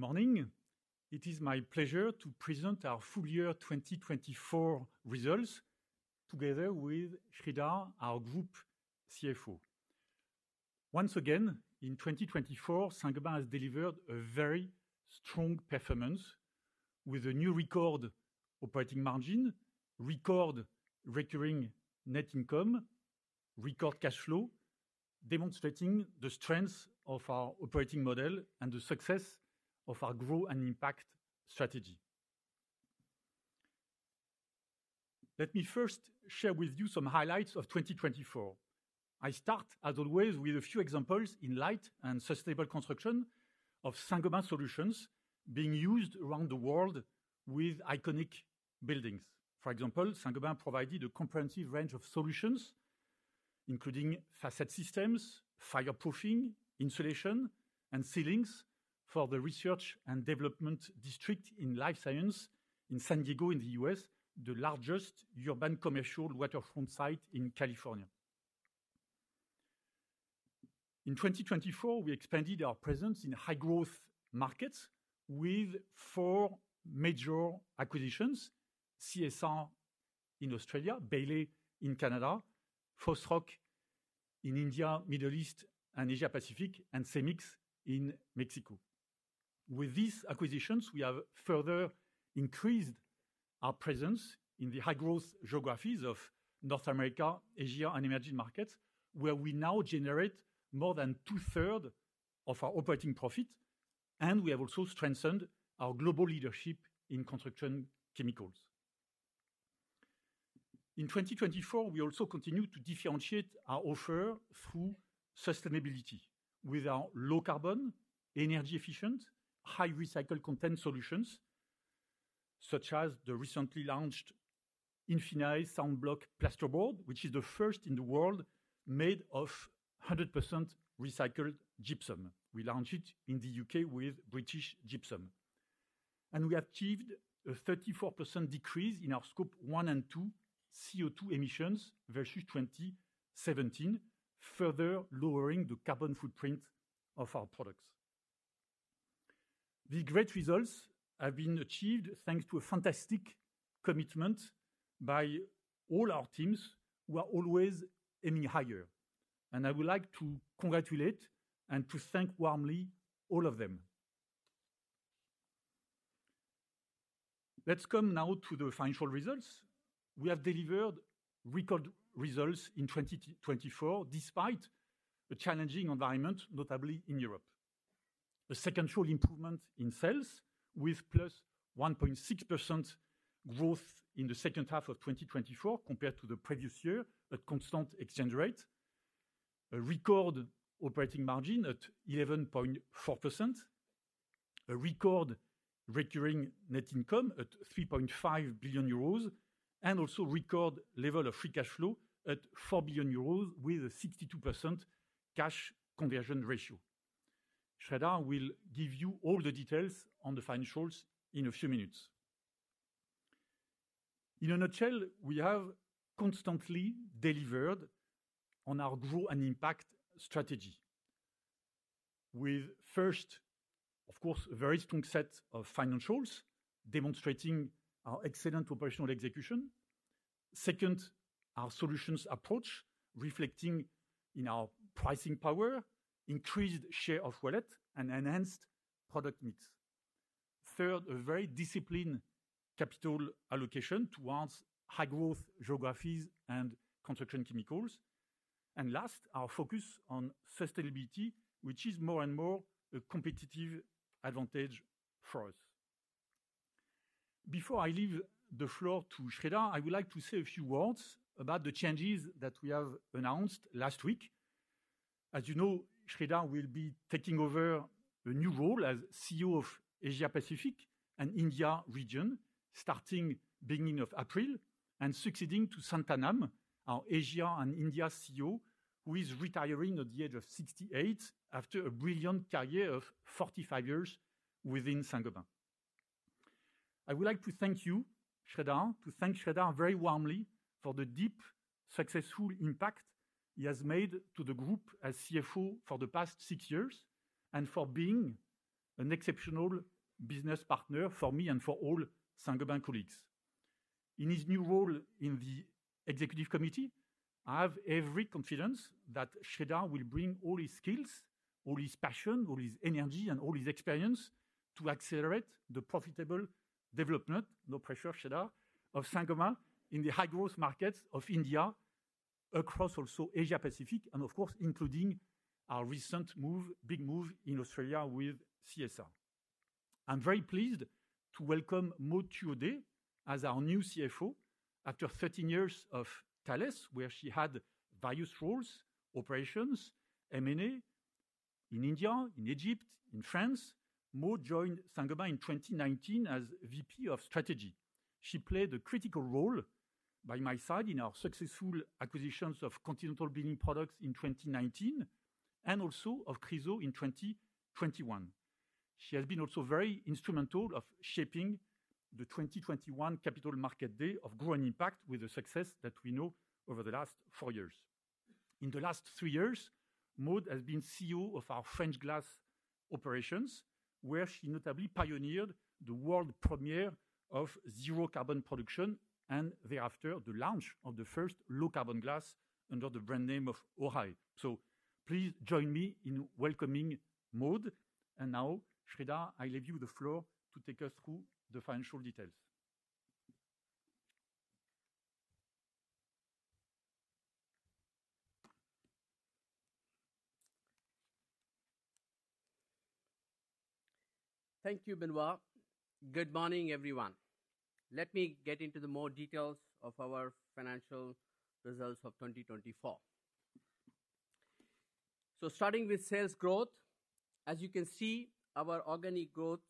Good morning. It is my pleasure to present our full year 2024 results together with Sreedhar, our Group CFO. Once again, in 2024, Saint-Gobain has delivered a very strong performance with a new record operating margin, record recurring net income, record cash flow, demonstrating the strength of our operating model and the success of our growth and impact strategy. Let me first share with you some highlights of 2024. I start, as always, with a few examples in light and sustainable construction of Saint-Gobain solutions being used around the world with iconic buildings. For example, Saint-Gobain provided a comprehensive range of solutions, including facade systems, fireproofing, insulation, and ceilings for the Research and Development District in life science in San Diego, in the US, the largest urban commercial waterfront site in California. In 2024, we expanded our presence in high-growth markets with four major acquisitions: CSR in Australia, Bailey in Canada, Fosroc in India, Middle East, and Asia-Pacific, and Cemix in Mexico. With these acquisitions, we have further increased our presence in the high-growth geographies of North America, Asia, and emerging markets, where we now generate more than two-thirds of our operating profit, and we have also strengthened our global leadership in construction chemicals. In 2024, we also continue to differentiate our offer through sustainability with our low-carbon, energy-efficient, high-recycle content solutions, such as the recently launched Infinaé SoundBloc plasterboard, which is the first in the world made of 100% recycled gypsum. We launched it in the UK with British Gypsum, and we achieved a 34% decrease in our Scope 1 and 2 CO2 emissions versus 2017, further lowering the carbon footprint of our products. The great results have been achieved thanks to a fantastic commitment by all our teams who are always aiming higher. And I would like to congratulate and to thank warmly all of them. Let's come now to the financial results. We have delivered record results in 2024 despite a challenging environment, notably in Europe. A second-half improvement in sales with plus 1.6% growth in the second half of 2024 compared to the previous year, a constant exchange rate, a record operating margin at 11.4%, a record recurring net income at 3.5 billion euros, and also a record level of free cash flow at 4 billion euros with a 62% cash conversion ratio. Sreedhar will give you all the details on the financials in a few minutes. In a nutshell, we have constantly delivered on our growth and impact strategy, with first, of course, a very strong set of financials demonstrating our excellent operational execution. Second, our solutions approach reflecting in our pricing power, increased share of wallet, and enhanced product mix. Third, a very disciplined capital allocation towards high-growth geographies and construction chemicals. And last, our focus on sustainability, which is more and more a competitive advantage for us. Before I leave the floor to Sreedhar, I would like to say a few words about the changes that we have announced last week. As you know, Sreedhar will be taking over a new role as CEO of Asia-Pacific and India region, starting beginning of April and succeeding to Santhanam, our Asia and India CEO, who is retiring at the age of 68 after a brilliant career of 45 years within Saint-Gobain. I would like to thank you, Sreedhar, very warmly for the deeply successful impact he has made to the group as CFO for the past six years and for being an exceptional business partner for me and for all Saint-Gobain colleagues. In his new role in the executive committee, I have every confidence that Sreedhar will bring all his skills, all his passion, all his energy, and all his experience to accelerate the profitable development, no pressure, Sreedhar, of Saint-Gobain in the high-growth markets of India, across also Asia-Pacific, and of course, including our recent move, big move in Australia with CSR. I'm very pleased to welcome Maud Thuaudet as our new CFO after 13 years of Thales, where she had various roles, operations, M&A in India, in Egypt, in France. Maud joined Saint-Gobain in 2019 as VP of Strategy. She played a critical role by my side in our successful acquisitions of Continental Building Products in 2019 and also of Chryso in 2021. She has been also very instrumental in shaping the 2021 Capital Market Day of Growth and Impact with the success that we know over the last four years. In the last three years, Maud has been CEO of our French glass operations, where she notably pioneered the world premiere of zero carbon production and thereafter the launch of the first low carbon glass under the brand name of Oraé. So please join me in welcoming Maud. And now, Sreedhar, I leave you the floor to take us through the financial details. Thank you, Benoit. Good morning, everyone. Let me get into the more details of our financial results of 2024. So starting with sales growth, as you can see, our organic growth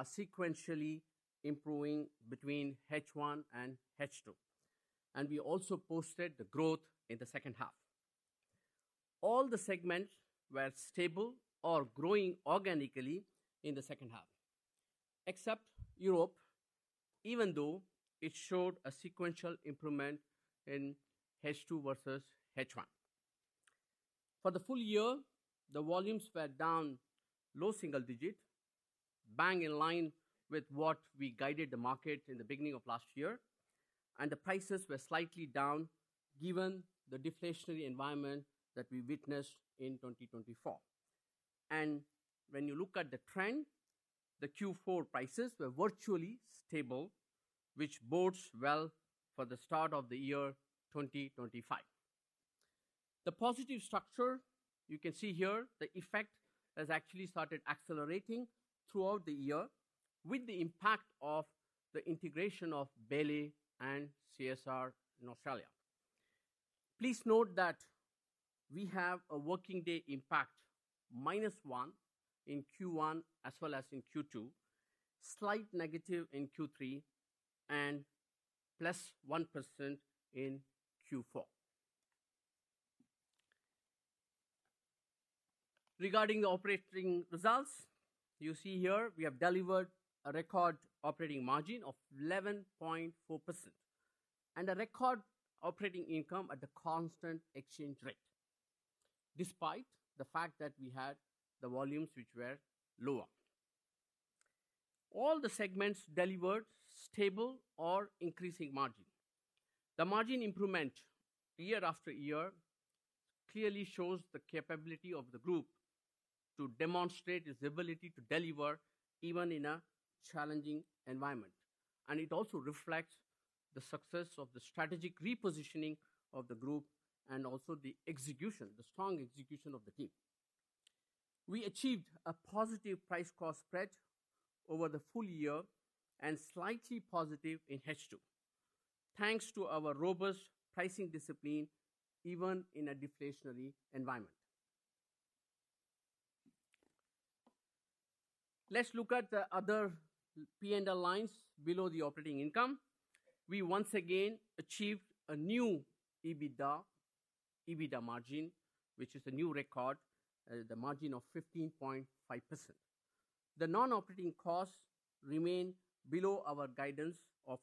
is sequentially improving between H1 and H2. And we also posted the growth in the second half. All the segments were stable or growing organically in the second half, except Europe, even though it showed a sequential improvement in H2 versus H1. For the full year, the volumes were down low single digit, bang in line with what we guided the market in the beginning of last year. And the prices were slightly down given the deflationary environment that we witnessed in 2024. And when you look at the trend, the Q4 prices were virtually stable, which bodes well for the start of the year 2025. The positive structure you can see here, the effect has actually started accelerating throughout the year with the impact of the integration of Bailey and CSR in Australia. Please note that we have a working day impact minus one in Q1 as well as in Q2, slight negative in Q3, and plus 1% in Q4. Regarding the operating results, you see here we have delivered a record operating margin of 11.4% and a record operating income at the constant exchange rate, despite the fact that we had the volumes which were lower. All the segments delivered stable or increasing margin. The margin improvement year after year clearly shows the capability of the group to demonstrate its ability to deliver even in a challenging environment, and it also reflects the success of the strategic repositioning of the group and also the execution, the strong execution of the team. We achieved a positive price-cost spread over the full year and slightly positive in H2, thanks to our robust pricing discipline even in a deflationary environment. Let's look at the other P&L lines below the operating income. We once again achieved a new EBITDA margin, which is a new record, the margin of 15.5%. The non-operating costs remain below our guidance of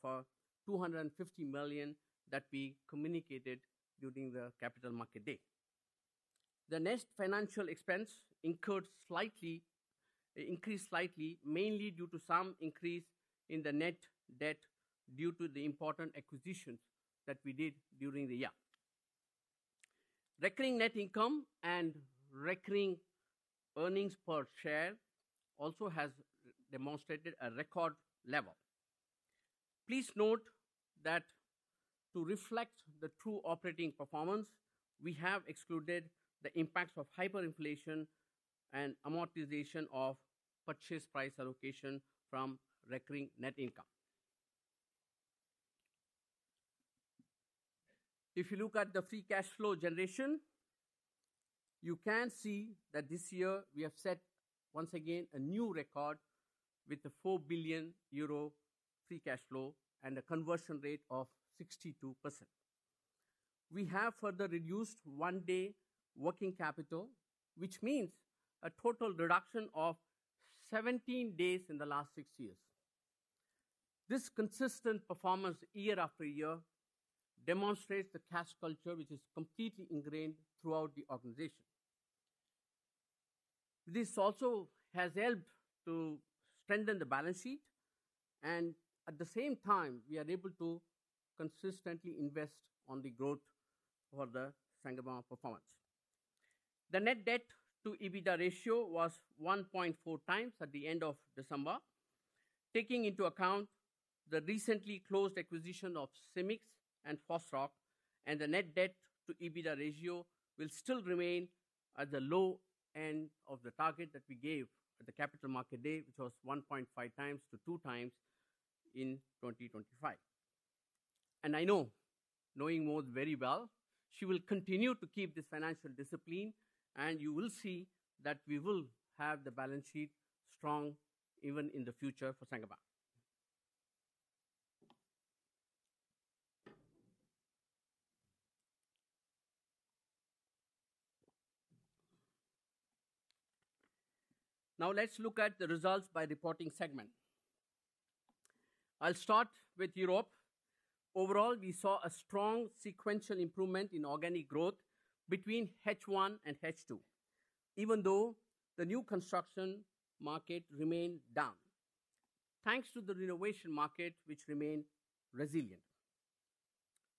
250 million that we communicated during the Capital Market Day. The net financial expense increased slightly, mainly due to some increase in the net debt due to the important acquisitions that we did during the year. Recurring net income and recurring earnings per share also have demonstrated a record level. Please note that to reflect the true operating performance, we have excluded the impacts of hyperinflation and amortization of purchase price allocation from recurring net income. If you look at the free cash flow generation, you can see that this year we have set once again a new record with the 4 billion euro free cash flow and a conversion rate of 62%. We have further reduced one-day working capital, which means a total reduction of 17 days in the last six years. This consistent performance year after year demonstrates the cash culture, which is completely ingrained throughout the organization. This also has helped to strengthen the balance sheet. At the same time, we are able to consistently invest in the growth for the Saint-Gobain performance. The net debt to EBITDA ratio was 1.4 times at the end of December. Taking into account the recently closed acquisition of Cemix and Fosroc, the net debt to EBITDA ratio will still remain at the low end of the target that we gave at the Capital Market Day, which was 1.5-2 times in 2025. And I know, knowing Maud very well, she will continue to keep this financial discipline, and you will see that we will have the balance sheet strong even in the future for Saint-Gobain. Now, let's look at the results by reporting segment. I'll start with Europe. Overall, we saw a strong sequential improvement in organic growth between H1 and H2, even though the new construction market remained down, thanks to the renovation market, which remained resilient.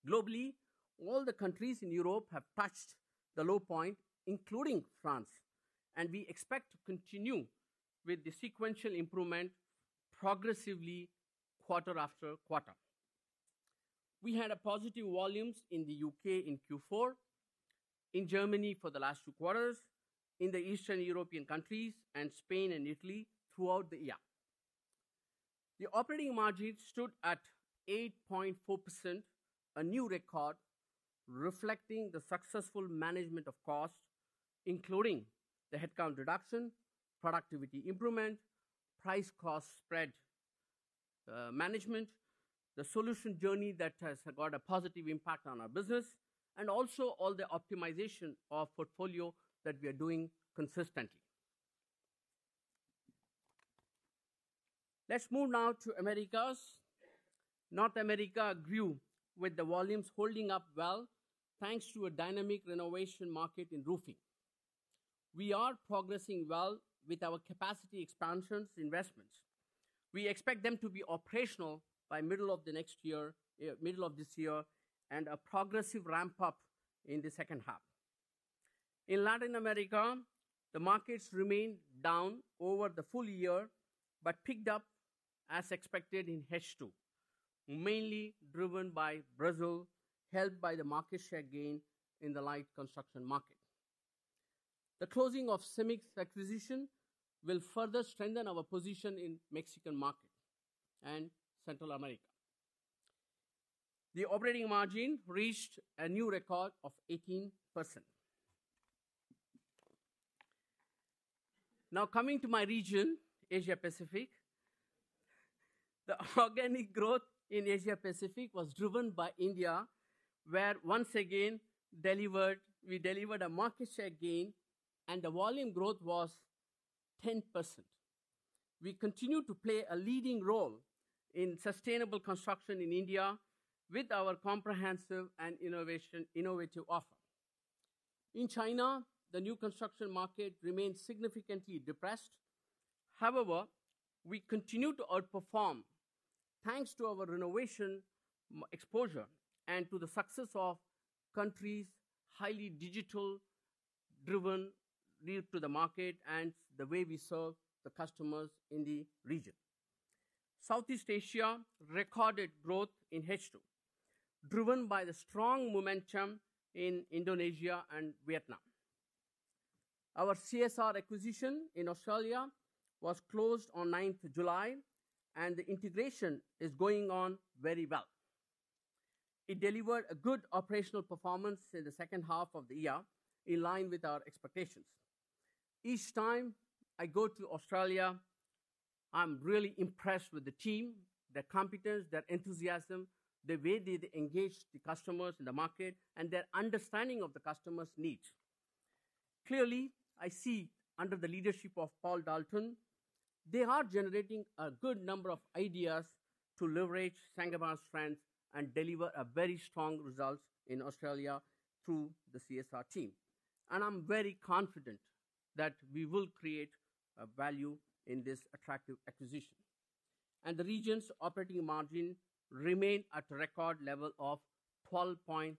Globally, all the countries in Europe have touched the low point, including France, and we expect to continue with the sequential improvement progressively quarter after quarter. We had positive volumes in the UK in Q4, in Germany for the last two quarters, in the Eastern European countries, and Spain and Italy throughout the year. The operating margin stood at 8.4%, a new record reflecting the successful management of costs, including the headcount reduction, productivity improvement, price-cost spread management, the solution journey that has had a positive impact on our business, and also all the optimization of portfolio that we are doing consistently. Let's move now to the Americas. North America grew with the volumes holding up well, thanks to a dynamic renovation market in roofing. We are progressing well with our capacity expansion investments. We expect them to be operational by middle of this year and a progressive ramp-up in the second half. In Latin America, the markets remained down over the full year but picked up, as expected, in H2, mainly driven by Brazil, helped by the market share gain in the light construction market. The closing of Cemix acquisition will further strengthen our position in the Mexican market and Central America. The operating margin reached a new record of 18%. Now, coming to my region, Asia-Pacific, the organic growth in Asia-Pacific was driven by India, where once again we delivered a market share gain, and the volume growth was 10%. We continue to play a leading role in sustainable construction in India with our comprehensive and innovative offer. In China, the new construction market remains significantly depressed. However, we continue to outperform, thanks to our renovation exposure and to the success of our highly digital-driven lead to the market and the way we serve the customers in the region. Southeast Asia recorded growth in H2, driven by the strong momentum in Indonesia and Vietnam. Our CSR acquisition in Australia was closed on 9th July, and the integration is going on very well. It delivered a good operational performance in the second half of the year, in line with our expectations. Each time I go to Australia, I'm really impressed with the team, their competence, their enthusiasm, the way they engage the customers in the market, and their understanding of the customer's needs. Clearly, I see under the leadership of Paul Dalton, they are generating a good number of ideas to leverage Saint-Gobain's strength and deliver a very strong result in Australia through the CSR team. And I'm very confident that we will create value in this attractive acquisition. And the region's operating margin remains at a record level of 12.6%.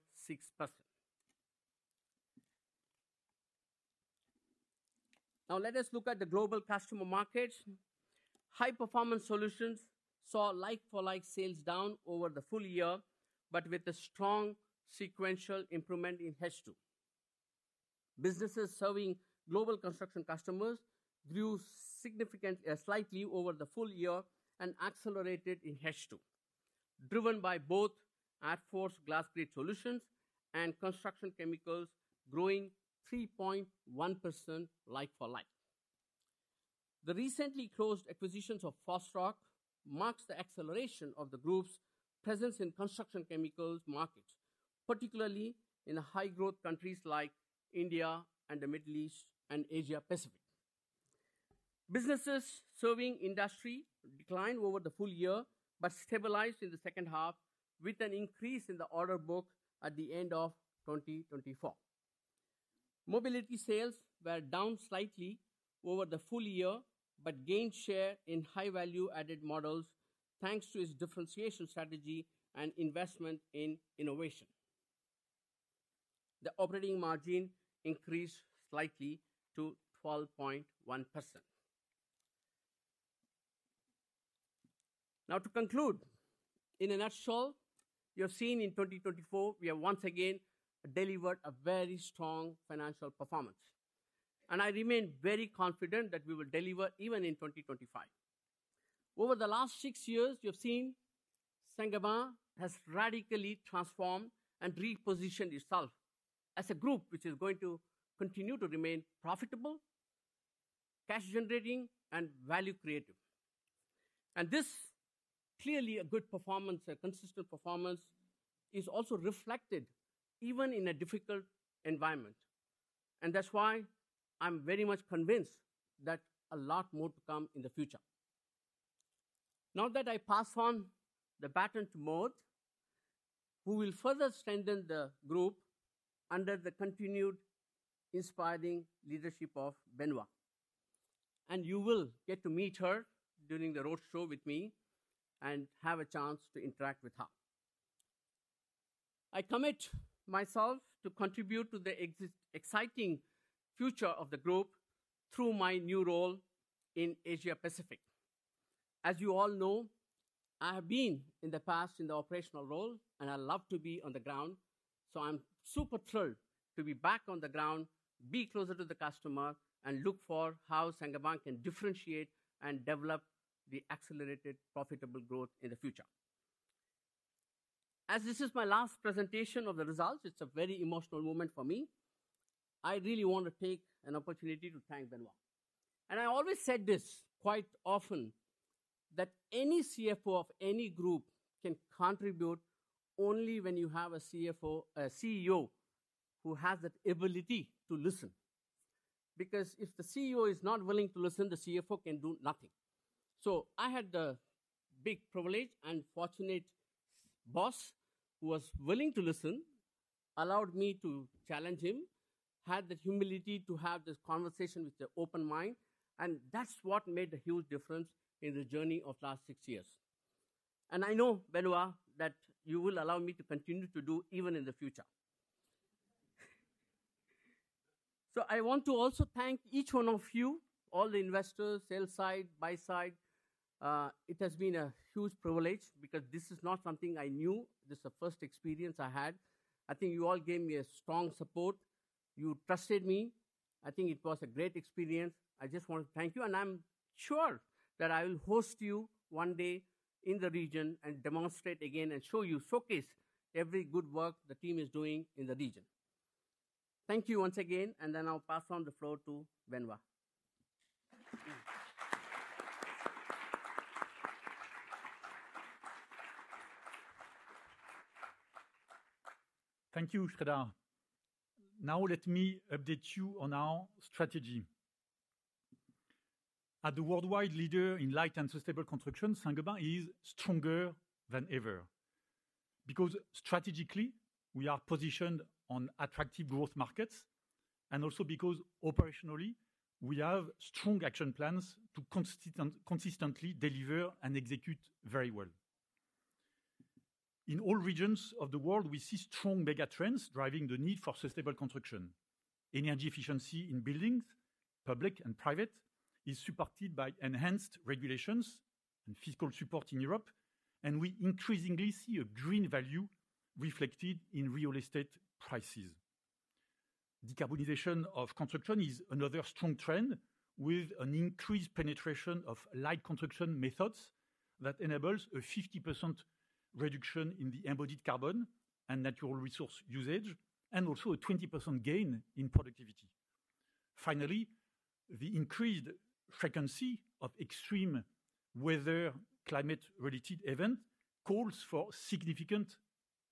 Now, let us look at the global customer markets. High-Performance Solutions saw like-for-like sales down over the full year, but with a strong sequential improvement in H2. Businesses serving global construction customers grew slightly over the full year and accelerated in H2, driven by both Adfors GlasGrid solutions and construction chemicals growing 3.1% like-for-like. The recently closed acquisitions of Fosroc marks the acceleration of the group's presence in construction chemicals markets, particularly in high-growth countries like India and the Middle East and Asia-Pacific. Businesses serving industry declined over the full year but stabilized in the second half with an increase in the order book at the end of 2024. Mobility sales were down slightly over the full year but gained share in high-value-added models, thanks to its differentiation strategy and investment in innovation. The operating margin increased slightly to 12.1%. Now, to conclude, in a nutshell, you have seen in 2024, we have once again delivered a very strong financial performance, and I remain very confident that we will deliver even in 2025. Over the last six years, you have seen Saint-Gobain has radically transformed and repositioned itself as a group which is going to continue to remain profitable, cash-generating, and value-creative. And this clearly a good performance, a consistent performance, is also reflected even in a difficult environment, and that's why I'm very much convinced that a lot more to come in the future. Now that I pass on the baton to Maud, who will further strengthen the group under the continued inspiring leadership of Benoit, and you will get to meet her during the roadshow with me and have a chance to interact with her. I commit myself to contribute to the exciting future of the group through my new role in Asia-Pacific. As you all know, I have been in the past in the operational role, and I love to be on the ground. So I'm super thrilled to be back on the ground, be closer to the customer, and look for how Saint-Gobain can differentiate and develop the accelerated profitable growth in the future. As this is my last presentation of the results, it's a very emotional moment for me. I really want to take an opportunity to thank Benoît. And I always said this quite often, that any CFO of any group can contribute only when you have a CFO, a CEO who has that ability to listen. Because if the CEO is not willing to listen, the CFO can do nothing. I had the big privilege and fortunate boss who was willing to listen, allowed me to challenge him, had the humility to have this conversation with an open mind. That's what made a huge difference in the journey of the last six years. I know, Benoît, that you will allow me to continue to do even in the future. I want to also thank each one of you, all the investors, sell-side, buy-side. It has been a huge privilege because this is not something I knew. This is the first experience I had. I think you all gave me strong support. You trusted me. I think it was a great experience. I just want to thank you. And I'm sure that I will host you one day in the region and demonstrate again and show you, showcase every good work the team is doing in the region. Thank you once again. And then I'll pass on the floor to Benoit. Thank you, Sreedhar. Now, let me update you on our strategy. At the worldwide leader in light and sustainable construction, Saint-Gobain is stronger than ever. Because strategically, we are positioned on attractive growth markets, and also because operationally, we have strong action plans to consistently deliver and execute very well. In all regions of the world, we see strong mega trends driving the need for sustainable construction. Energy efficiency in buildings, public and private, is supported by enhanced regulations and fiscal support in Europe, and we increasingly see a green value reflected in real estate prices. Decarbonization of construction is another strong trend with an increased penetration of light construction methods that enables a 50% reduction in the embodied carbon and natural resource usage, and also a 20% gain in productivity. Finally, the increased frequency of extreme weather climate-related events calls for significant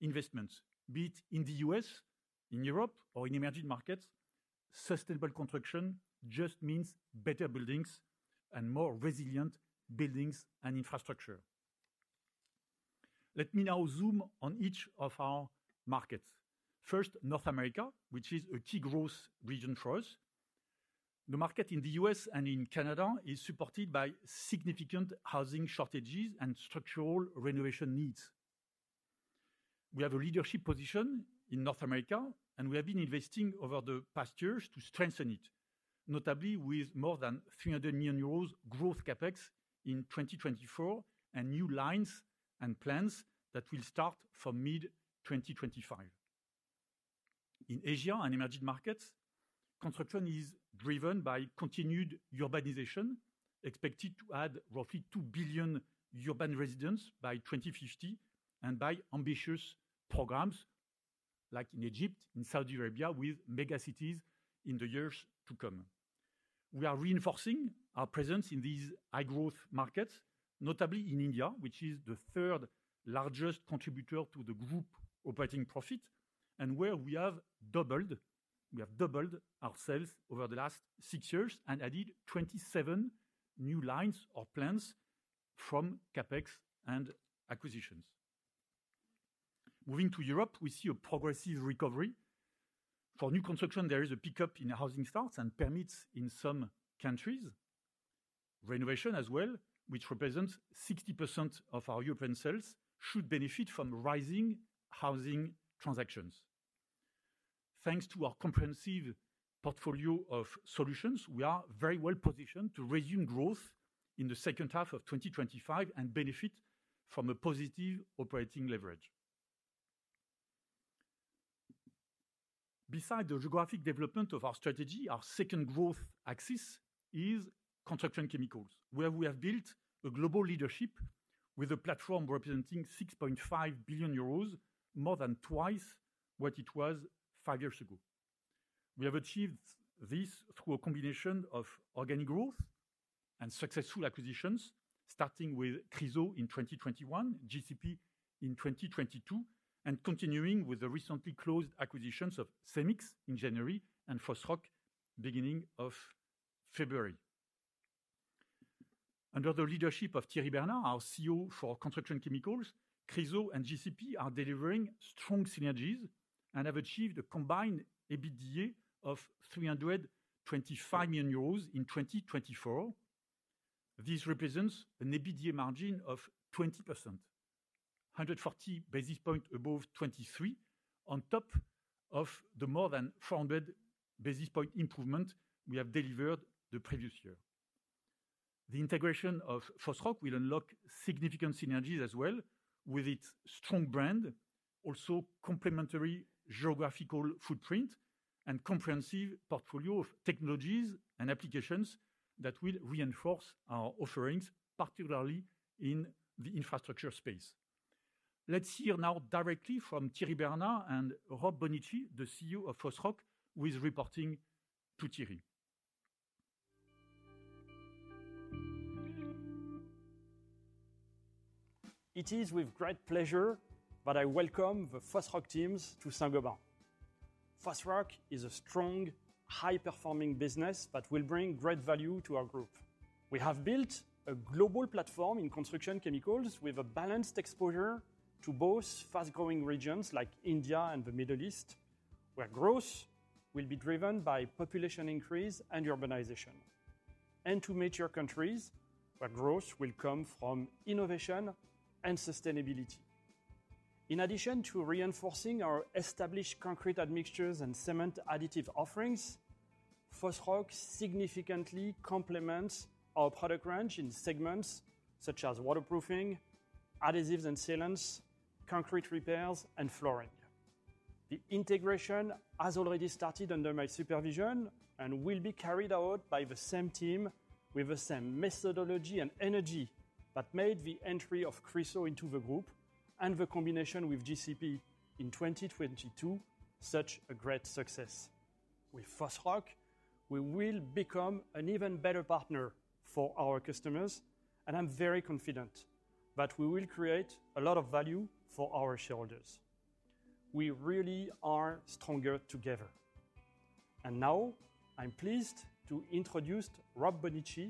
investments. Be it in the U.S., in Europe, or in emerging markets, sustainable construction just means better buildings and more resilient buildings and infrastructure. Let me now zoom on each of our markets. First, North America, which is a key growth region for us. The market in the U.S. and in Canada is supported by significant housing shortages and structural renovation needs. We have a leadership position in North America, and we have been investing over the past years to strengthen it, notably with more than 300 million euros growth CapEx in 2024 and new lines and plants that will start from mid-2025. In Asia and emerging markets, construction is driven by continued urbanization, expected to add roughly 2 billion urban residents by 2050 and by ambitious programs like in Egypt, in Saudi Arabia, with mega cities in the years to come. We are reinforcing our presence in these high-growth markets, notably in India, which is the third largest contributor to the group operating profit, and where we have doubled our sales over the last six years and added 27 new lines or plans from capex and acquisitions. Moving to Europe, we see a progressive recovery. For new construction, there is a pickup in housing starts and permits in some countries. Renovation as well, which represents 60% of our European sales, should benefit from rising housing transactions. Thanks to our comprehensive portfolio of solutions, we are very well positioned to resume growth in the second half of 2025 and benefit from a positive operating leverage. Besides the geographic development of our strategy, our second growth axis is construction chemicals, where we have built a global leadership with a platform representing € 6.5 billion, more than twice what it was five years ago. We have achieved this through a combination of organic growth and successful acquisitions, starting with Chryso in 2021, GCP in 2022, and continuing with the recently closed acquisitions of Cemix in January and Fosroc beginning of February. Under the leadership of Thierry Bernard, our CEO for construction chemicals, Chryso and GCP are delivering strong synergies and have achieved a combined EBITDA of € 325 million in 2024. This represents an EBITDA margin of 20%, 140 basis points above 23, on top of the more than 400 basis points improvement we have delivered the previous year. The integration of Fosroc will unlock significant synergies as well, with its strong brand, also complementary geographical footprint, and comprehensive portfolio of technologies and applications that will reinforce our offerings, particularly in the infrastructure space. Let's hear now directly from Thierry Bernard and Rob Bonnici, the CEO of Fosroc, who is reporting to Thierry. It is with great pleasure that I welcome the Fosroc teams to Saint-Gobain. Fosroc is a strong, high-performing business that will bring great value to our group. We have built a global platform in construction chemicals with a balanced exposure to both fast-growing regions like India and the Middle East, where growth will be driven by population increase and urbanization, and to major countries where growth will come from innovation and sustainability. In addition to reinforcing our established concrete admixtures and cement additive offerings, Fosroc significantly complements our product range in segments such as waterproofing, adhesives and sealants, concrete repairs, and flooring. The integration has already started under my supervision and will be carried out by the same team with the same methodology and energy that made the entry of Chryso into the group and the combination with GCP in 2022 such a great success. With Fosroc, we will become an even better partner for our customers, and I'm very confident that we will create a lot of value for our shareholders. We really are stronger together. Now, I'm pleased to introduce Rob Bonnici,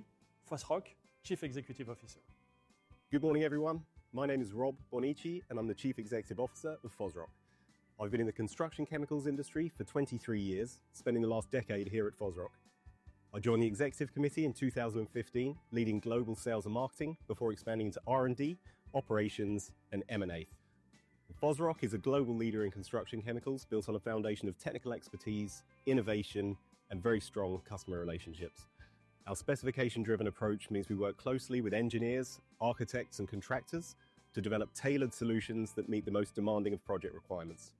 Chief Executive Officer of Fosroc. Good morning, everyone. My name is Rob Bonnici, and I'm the Chief Executive Officer of Fosroc. I've been in the construction chemicals industry for 23 years, spending the last decade here at Fosroc. I joined the executive committee in 2015, leading global sales and marketing before expanding into R&D, operations, and M&A. Fosroc is a global leader in construction chemicals built on a foundation of technical expertise, innovation, and very strong customer relationships. Our specification-driven approach means we work closely with engineers, architects, and contractors to develop tailored solutions that meet the most demanding of project requirements.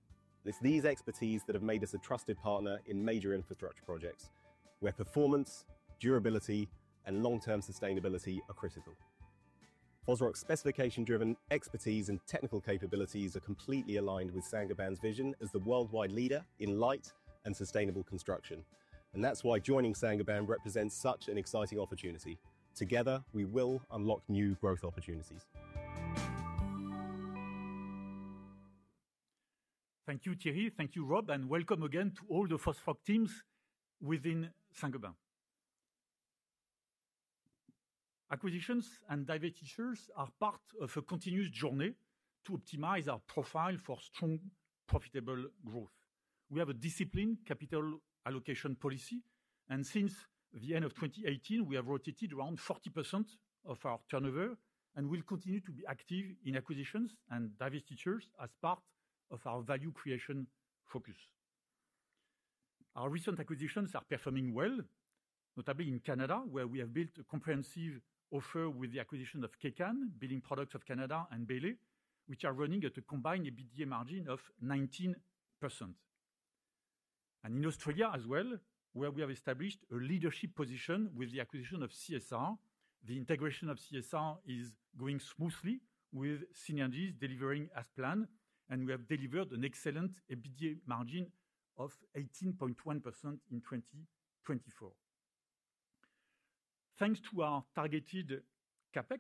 It's these expertise that have made us a trusted partner in major infrastructure projects, where performance, durability, and long-term sustainability are critical. Fosroc's specification-driven expertise and technical capabilities are completely aligned with Saint-Gobain's vision as the worldwide leader in light and sustainable construction, and that's why joining Saint-Gobain represents such an exciting opportunity. Together, we will unlock new growth opportunities. Thank you, Thierry. Thank you, Rob, and welcome again to all the Fosroc teams within Saint-Gobain. Acquisitions and divestitures are part of a continuous journey to optimize our profile for strong, profitable growth. We have a disciplined capital allocation policy, and since the end of 2018, we have rotated around 40% of our turnover, and we'll continue to be active in acquisitions and divestitures as part of our value creation focus. Our recent acquisitions are performing well, notably in Canada, where we have built a comprehensive offer with the acquisition of Kaycan, Building Products of Canada, and Bailey, which are running at a combined EBITDA margin of 19%. In Australia as well, where we have established a leadership position with the acquisition of CSR. The integration of CSR is going smoothly with synergies delivering as planned, and we have delivered an excellent EBITDA margin of 18.1% in 2024. Thanks to our targeted CapEx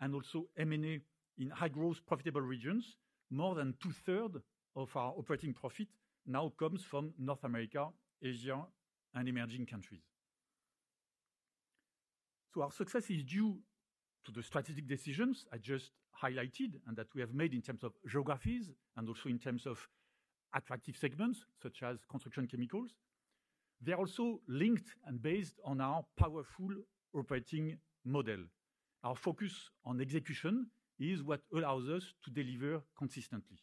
and also M&A in high-growth profitable regions, more than two-thirds of our operating profit now comes from North America, Asia, and emerging countries. Our success is due to the strategic decisions I just highlighted and that we have made in terms of geographies and also in terms of attractive segments such as construction chemicals. They are also linked and based on our powerful operating model. Our focus on execution is what allows us to deliver consistently.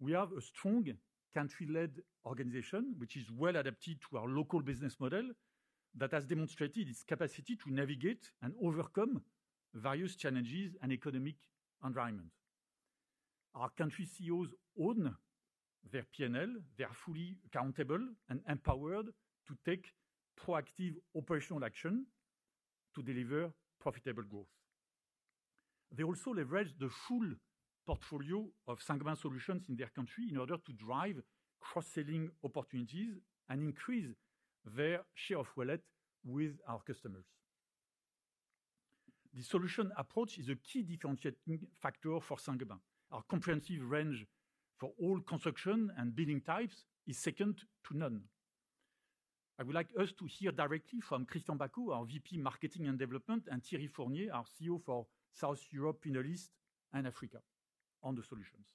We have a strong country-led organization, which is well adapted to our local business model that has demonstrated its capacity to navigate and overcome various challenges and economic environments. Our country CEOs own their P&L, they are fully accountable and empowered to take proactive operational action to deliver profitable growth. They also leverage the full portfolio of Saint-Gobain solutions in their country in order to drive cross-selling opportunities and increase their share of wallet with our customers. The solution approach is a key differentiating factor for Saint-Gobain. Our comprehensive range for all construction and building types is second to none. I would like us to hear directly from Christian Baco, our VP Marketing and Development, and Thierry Fournier, our CEO for South Europe, Middle East, and Africa, on the solutions.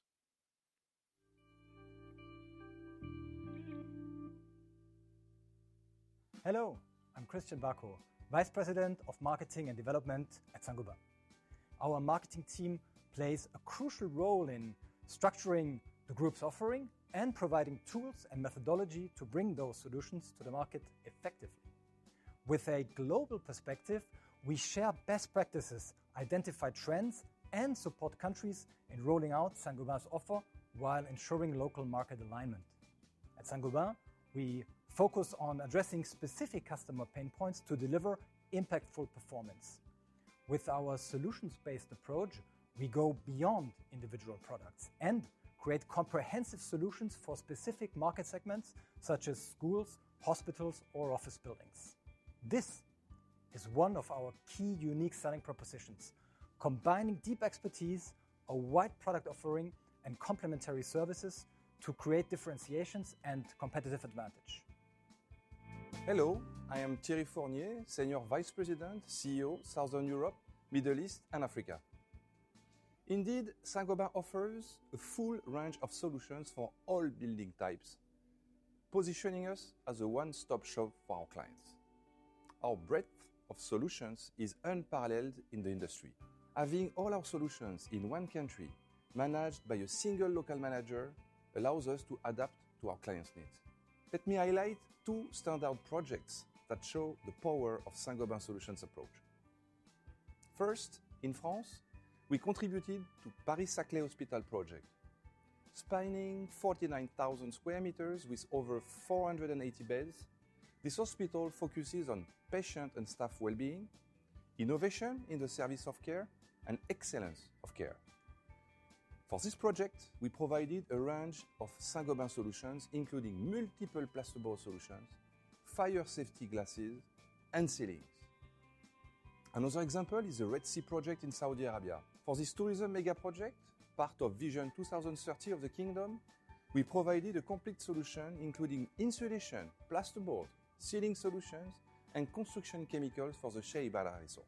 Hello, I'm Christian Baco, Vice President of Marketing and Development at Saint-Gobain. Our marketing team plays a crucial role in structuring the group's offering and providing tools and methodology to bring those solutions to the market effectively. With a global perspective, we share best practices, identify trends, and support countries in rolling out Saint-Gobain's offer while ensuring local market alignment. At Saint-Gobain, we focus on addressing specific customer pain points to deliver impactful performance. With our solutions-based approach, we go beyond individual products and create comprehensive solutions for specific market segments such as schools, hospitals, or office buildings. This is one of our key unique selling propositions, combining deep expertise, a wide product offering, and complementary services to create differentiations and competitive advantage. Hello, I am Thierry Fournier, Senior Vice President, CEO, Southern Europe, Middle East, and Africa. Indeed, Saint-Gobain offers a full range of solutions for all building types, positioning us as a one-stop shop for our clients. Our breadth of solutions is unparalleled in the industry. Having all our solutions in one country, managed by a single local manager, allows us to adapt to our clients' needs. Let me highlight two standout projects that show the power of Saint-Gobain's solutions approach. First, in France, we contributed to the Paris-Saclay Hospital project. Spanning 49,000 sq m with over 480 beds, this hospital focuses on patient and staff well-being, innovation in the service of care, and excellence of care. For this project, we provided a range of Saint-Gobain solutions, including multiple plasterboard solutions, fire safety glasses, and ceilings. Another example is the Red Sea Project in Saudi Arabia. For this tourism mega project, part of Vision 2030 of the Kingdom, we provided a complete solution, including insulation, plasterboard, ceiling solutions, and construction chemicals for the Sheybarah Resort.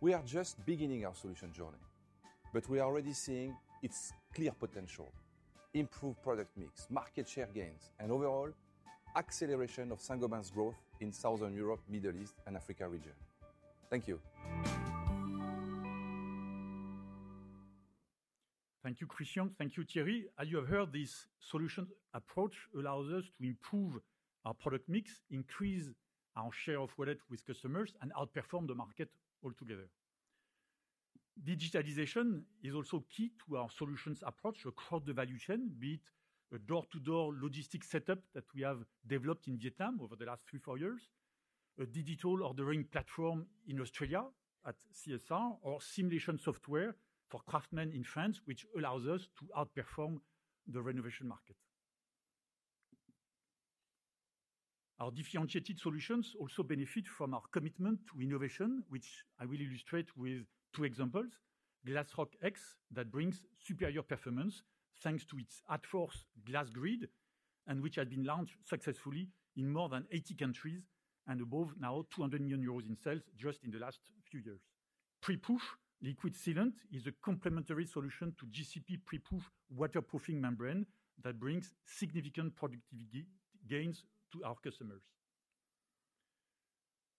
We are just beginning our solution journey, but we are already seeing its clear potential: improved product mix, market share gains, and overall acceleration of Saint-Gobain's growth in Southern Europe, Middle East, and Africa region. Thank you. Thank you, Christian. Thank you, Thierry. As you have heard, this solution approach allows us to improve our product mix, increase our share of wallet with customers, and outperform the market altogether. Digitalization is also key to our solutions approach across the value chain, be it a door-to-door logistics setup that we have developed in Vietnam over the last three, four years, a digital ordering platform in Australia at CSR, or simulation software for craftsmen in France, which allows us to outperform the renovation market. Our differentiated solutions also benefit from our commitment to innovation, which I will illustrate with two examples: Glasroc X that brings superior performance thanks to its Adfors glass grid, and which has been launched successfully in more than 80 countries and above now 200 million euros in sales just in the last few years. Preprufe liquid sealant is a complementary solution to GCP Preprufe waterproofing membrane that brings significant productivity gains to our customers.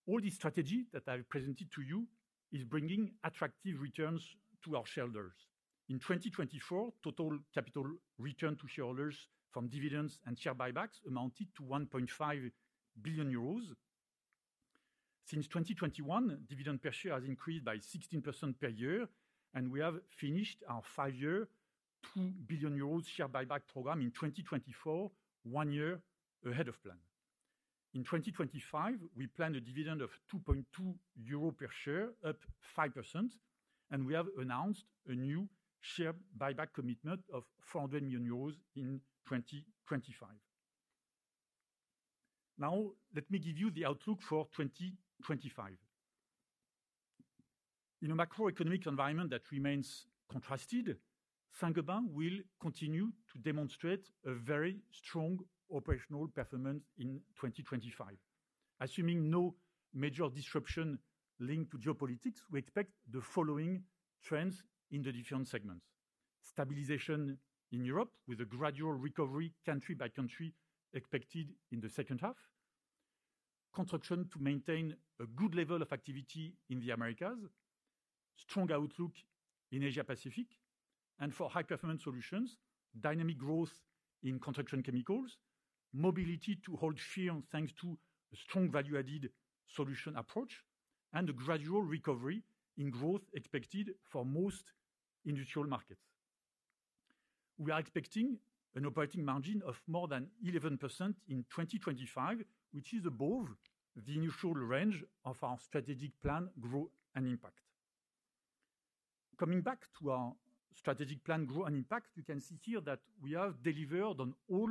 All this strategy that I presented to you is bringing attractive returns to our shareholders. In 2024, total capital return to shareholders from dividends and share buybacks amounted to 1.5 billion euros. Since 2021, dividend per share has increased by 16% per year, and we have finished our five-year 2 billion euros share buyback program in 2024, one year ahead of plan. In 2025, we planned a dividend of 2.2 euro per share, up 5%, and we have announced a new share buyback commitment of 400 million euros in 2025. Now, let me give you the outlook for 2025. In a macroeconomic environment that remains contrasted, Saint-Gobain will continue to demonstrate a very strong operational performance in 2025. Assuming no major disruption linked to geopolitics, we expect the following trends in the different segments: stabilization in Europe with a gradual recovery country by country expected in the second half, construction to maintain a good level of activity in the Americas, strong outlook in Asia-Pacific, and for High-Performance Solutions, dynamic growth in construction chemicals, mobility to hold firm thanks to a strong value-added solution approach, and a gradual recovery in growth expected for most industrial markets. We are expecting an operating margin of more than 11% in 2025, which is above the initial range of our strategic plan, growth and impact. Coming back to our strategic plan, growth and impact, you can see here that we have delivered on all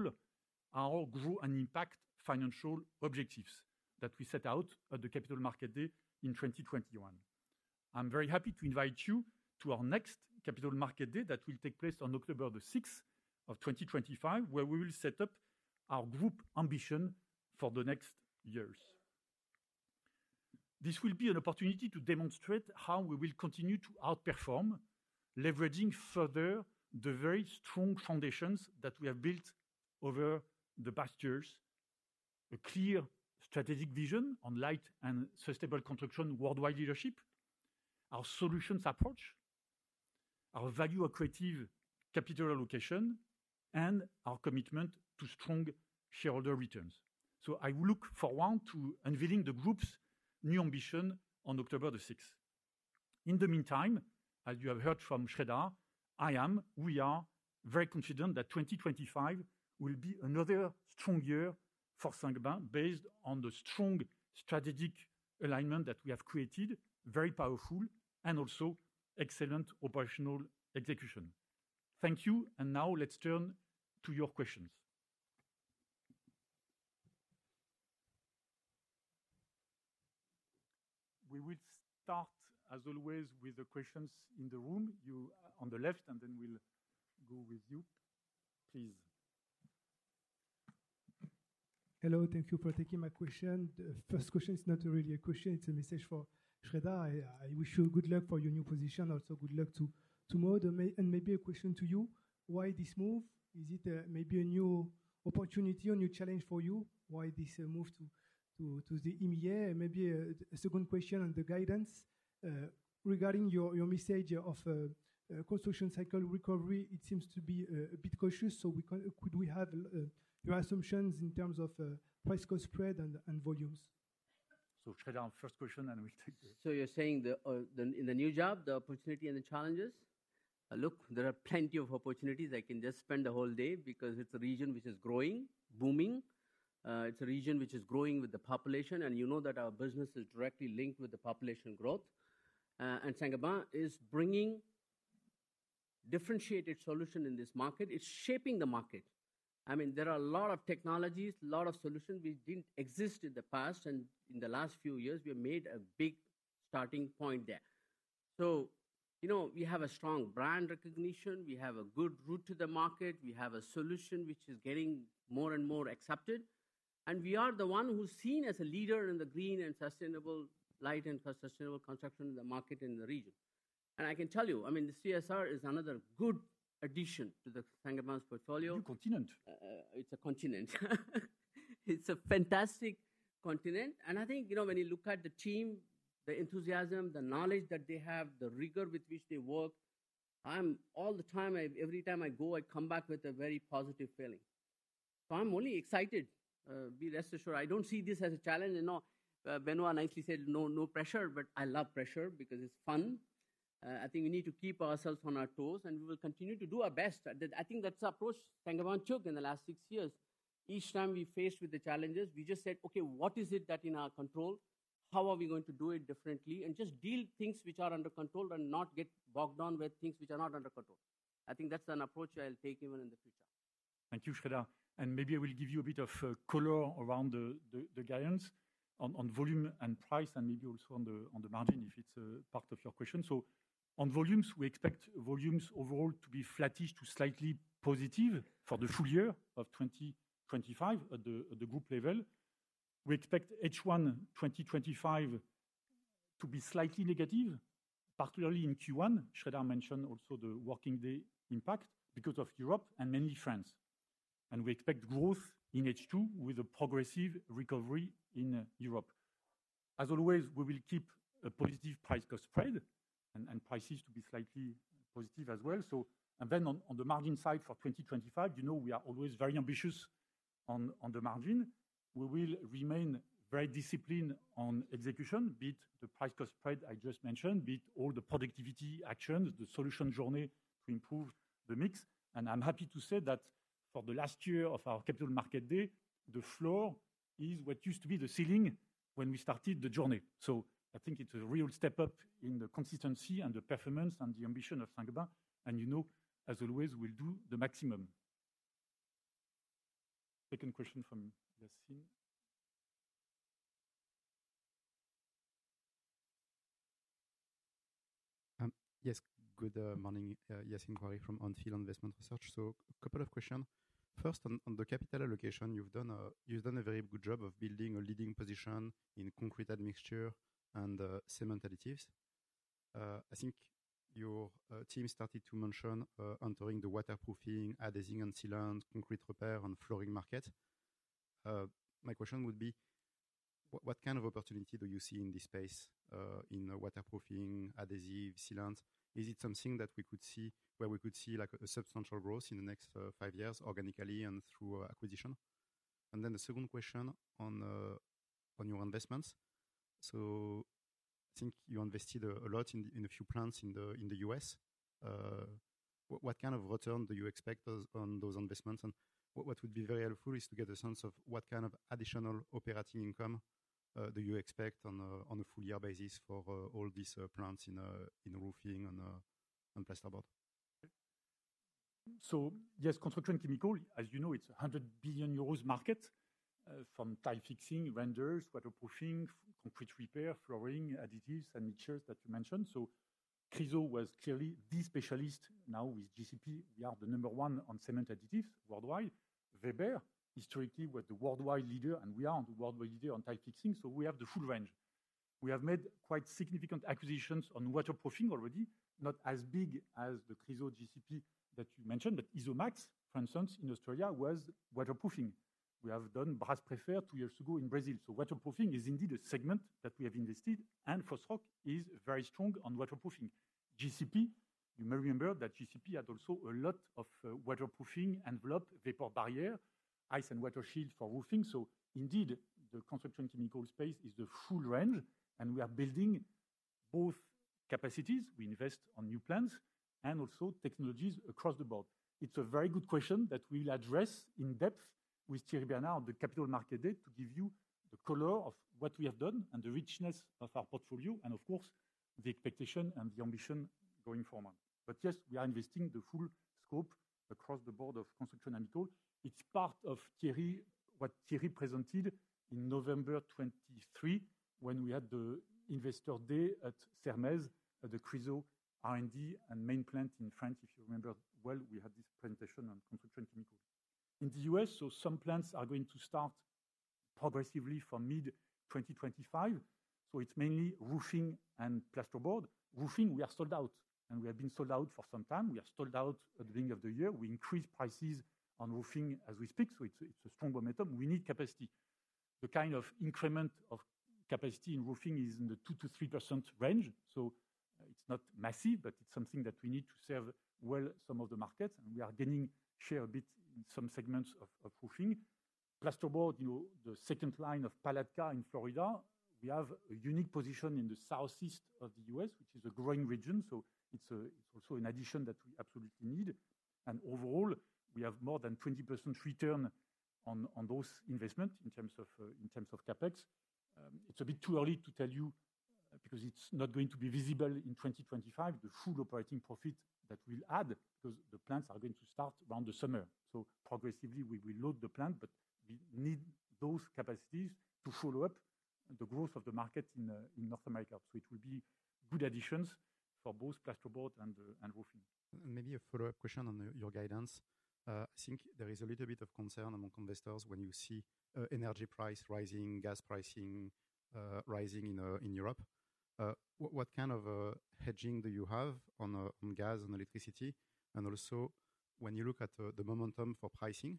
our growth and impact financial objectives that we set out at the Capital Market Day in 2021. I'm very happy to invite you to our next Capital Market Day that will take place on October the 6th of 2025, where we will set up our group ambition for the next years. This will be an opportunity to demonstrate how we will continue to outperform, leveraging further the very strong foundations that we have built over the past years, a clear strategic vision on light and sustainable construction worldwide leadership, our solutions approach, our value of creative capital allocation, and our commitment to strong shareholder returns. I will look forward to unveiling the group's new ambition on October the 6th. In the meantime, as you have heard from Sreedhar, I am, we are very confident that 2025 will be another strong year for Saint-Gobain based on the strong strategic alignment that we have created, very powerful, and also excellent operational execution. Thank you. Now let's turn to your questions. We will start, as always, with the questions in the room. You on the left, and then we'll go with you. Please. Hello. Thank you for taking my question. The first question is not really a question. It's a message for Sreedhar. I wish you good luck for your new position. Also, good luck to Maud and maybe a question to you. Why this move? Is it maybe a new opportunity or new challenge for you? Why this move to the EMEA? Maybe a second question on the guidance regarding your message of construction cycle recovery. It seems to be a bit cautious. So could we have your assumptions in terms of price cost spread and volumes? So Sreedhar, first question, and we'll take this. So you're saying in the new job, the opportunity and the challenges? Look, there are plenty of opportunities. I can just spend the whole day because it's a region which is growing, booming. It's a region which is growing with the population. And you know that our business is directly linked with the population growth. And Saint-Gobain is bringing differentiated solutions in this market. It's shaping the market. I mean, there are a lot of technologies, a lot of solutions which didn't exist in the past. And in the last few years, we have made a big starting point there. So you know we have a strong brand recognition. We have a good route to the market. We have a solution which is getting more and more accepted. And we are the one who's seen as a leader in the green and sustainable light and sustainable construction in the market in the region. And I can tell you, I mean, the CSR is another good addition to the Saint-Gobain's portfolio. Down under. It's a continent. It's a fantastic continent. And I think you know when you look at the team, the enthusiasm, the knowledge that they have, the rigor with which they work, I'm all the time, every time I go, I come back with a very positive feeling. So I'm only excited. Rest assured. I don't see this as a challenge. I know Benoit nicely said, no pressure, but I love pressure because it's fun. I think we need to keep ourselves on our toes, and we will continue to do our best. I think that's the approach Saint-Gobain took in the last six years. Each time we faced with the challenges, we just said, okay, what is it that is in our control? How are we going to do it differently? And just deal with things which are under control and not get bogged down with things which are not under control. I think that's an approach I'll take even in the future. Thank you, Sreedhar. And maybe I will give you a bit of color around the guidance on volume and price, and maybe also on the margin if it's part of your question. So on volumes, we expect volumes overall to be flattish to slightly positive for the full year of 2025 at the group level. We expect H1 2025 to be slightly negative, particularly in Q1. Sreedhar mentioned also the working day impact because of Europe and mainly France, and we expect growth in H2 with a progressive recovery in Europe. As always, we will keep a positive price cost spread and prices to be slightly positive as well, so then on the margin side for 2025, you know we are always very ambitious on the margin. We will remain very disciplined on execution, be it the price cost spread I just mentioned, be it all the productivity actions, the solution journey to improve the mix. And I'm happy to say that for the last year of our Capital Market Day, the floor is what used to be the ceiling when we started the journey, so I think it's a real step up in the consistency and the performance and the ambition of Saint-Gobain. You know, as always, we'll do the maximum. Second question from Yassine. Yes, good morning. Yassine Touahri from On Field Investment Research. So a couple of questions. First, on the capital allocation, you've done a very good job of building a leading position in concrete admixture and cement additives. I think your team started to mention entering the waterproofing, adhesive and sealant, concrete repair and flooring market. My question would be, what kind of opportunity do you see in this space in waterproofing, adhesive, sealant? Is it something that we could see where we could see like a substantial growth in the next five years organically and through acquisition? And then the second question on your investments. So I think you invested a lot in a few plants in the U.S. What kind of return do you expect on those investments? What would be very helpful is to get a sense of what kind of additional operating income do you expect on a full year basis for all these plants in roofing and plasterboard? So yes, construction chemical, as you know, it's a 100 billion euros market from tile fixing, vendors, waterproofing, concrete repair, flooring, additives, and mixtures that you mentioned. So Chryso was clearly the specialist. Now with GCP, we are the number one on cement additives worldwide. Weber, historically, was the worldwide leader, and we are the worldwide leader on tile fixing. So we have the full range. We have made quite significant acquisitions on waterproofing already, not as big as the Chryso GCP that you mentioned, but Izomaks, for instance, in Australia was waterproofing. We have done Brasilit two years ago in Brazil. Waterproofing is indeed a segment that we have invested, and Fosroc is very strong on waterproofing. GCP, you may remember that GCP had also a lot of waterproofing envelope, vapor barrier, ice and water shield for roofing. So indeed, the construction chemical space is the full range, and we are building both capacities. We invest on new plants and also technologies across the board. It's a very good question that we will address in depth with Thierry Bernard on the Capital Market Day to give you the color of what we have done and the richness of our portfolio and, of course, the expectation and the ambition going forward. But yes, we are investing the full scope across the board of construction chemicals. It's part of what Thierry presented in November 2023 when we had the Investor Day at Chryso, the Chryso R&D and main plant in France. If you remember well, we had this presentation on construction chemicals. In the U.S., so some plants are going to start progressively from mid-2025. So it's mainly roofing and plasterboard. Roofing, we are sold out, and we have been sold out for some time. We are sold out at the beginning of the year. We increase prices on roofing as we speak. So it's a strong momentum. We need capacity. The kind of increment of capacity in roofing is in the 2%-3% range. So it's not massive, but it's something that we need to serve well some of the markets. And we are gaining share a bit in some segments of roofing. Plasterboard, you know the second line of Palatka in Florida, we have a unique position in the southeast of the U.S., which is a growing region. So it's also an addition that we absolutely need. And overall, we have more than 20% return on those investments in terms of CapEx. It's a bit too early to tell you because it's not going to be visible in 2025, the full operating profit that we'll add because the plants are going to start around the summer. So progressively, we will load the plants, but we need those capacities to follow up the growth of the market in North America. So it will be good additions for both plasterboard and roofing. Maybe a follow-up question on your guidance. I think there is a little bit of concern among investors when you see energy price rising, gas pricing rising in Europe. What kind of hedging do you have on gas and electricity? And also, when you look at the momentum for pricing,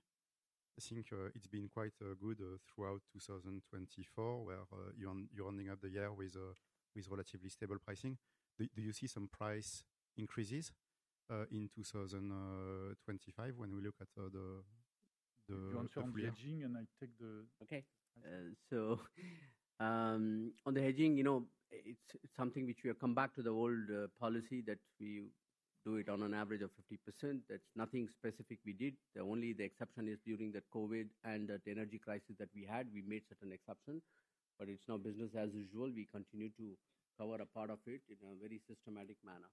I think it's been quite good throughout 2024, where you're ending up the year with relatively stable pricing. Do you see some price increases in 2025 when we look at the... You answered the hedging, and I take the... Okay. So on the hedging, you know it's something which we have come back to the old policy that we do it on an average of 50%. That's nothing specific we did. The only exception is during the COVID and the energy crisis that we had, we made certain exceptions. But it's now business as usual. We continue to cover a part of it in a very systematic manner.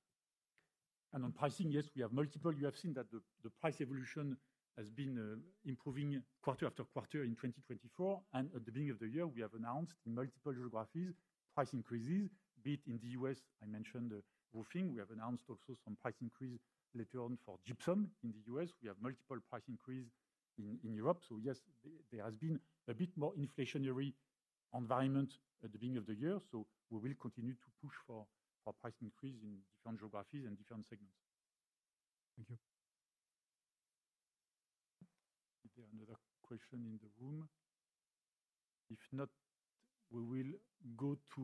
And on pricing, yes, we have multiple... You have seen that the price evolution has been improving quarter after quarter in 2024. And at the beginning of the year, we have announced in multiple geographies price increases, be it in the U.S., I mentioned roofing. We have announced also some price increase later on for gypsum in the U.S. We have multiple price increases in Europe. So yes, there has been a bit more inflationary environment at the beginning of the year. So we will continue to push for price increases in different geographies and different segments. Thank you. Is there another question in the room? If not, we will go to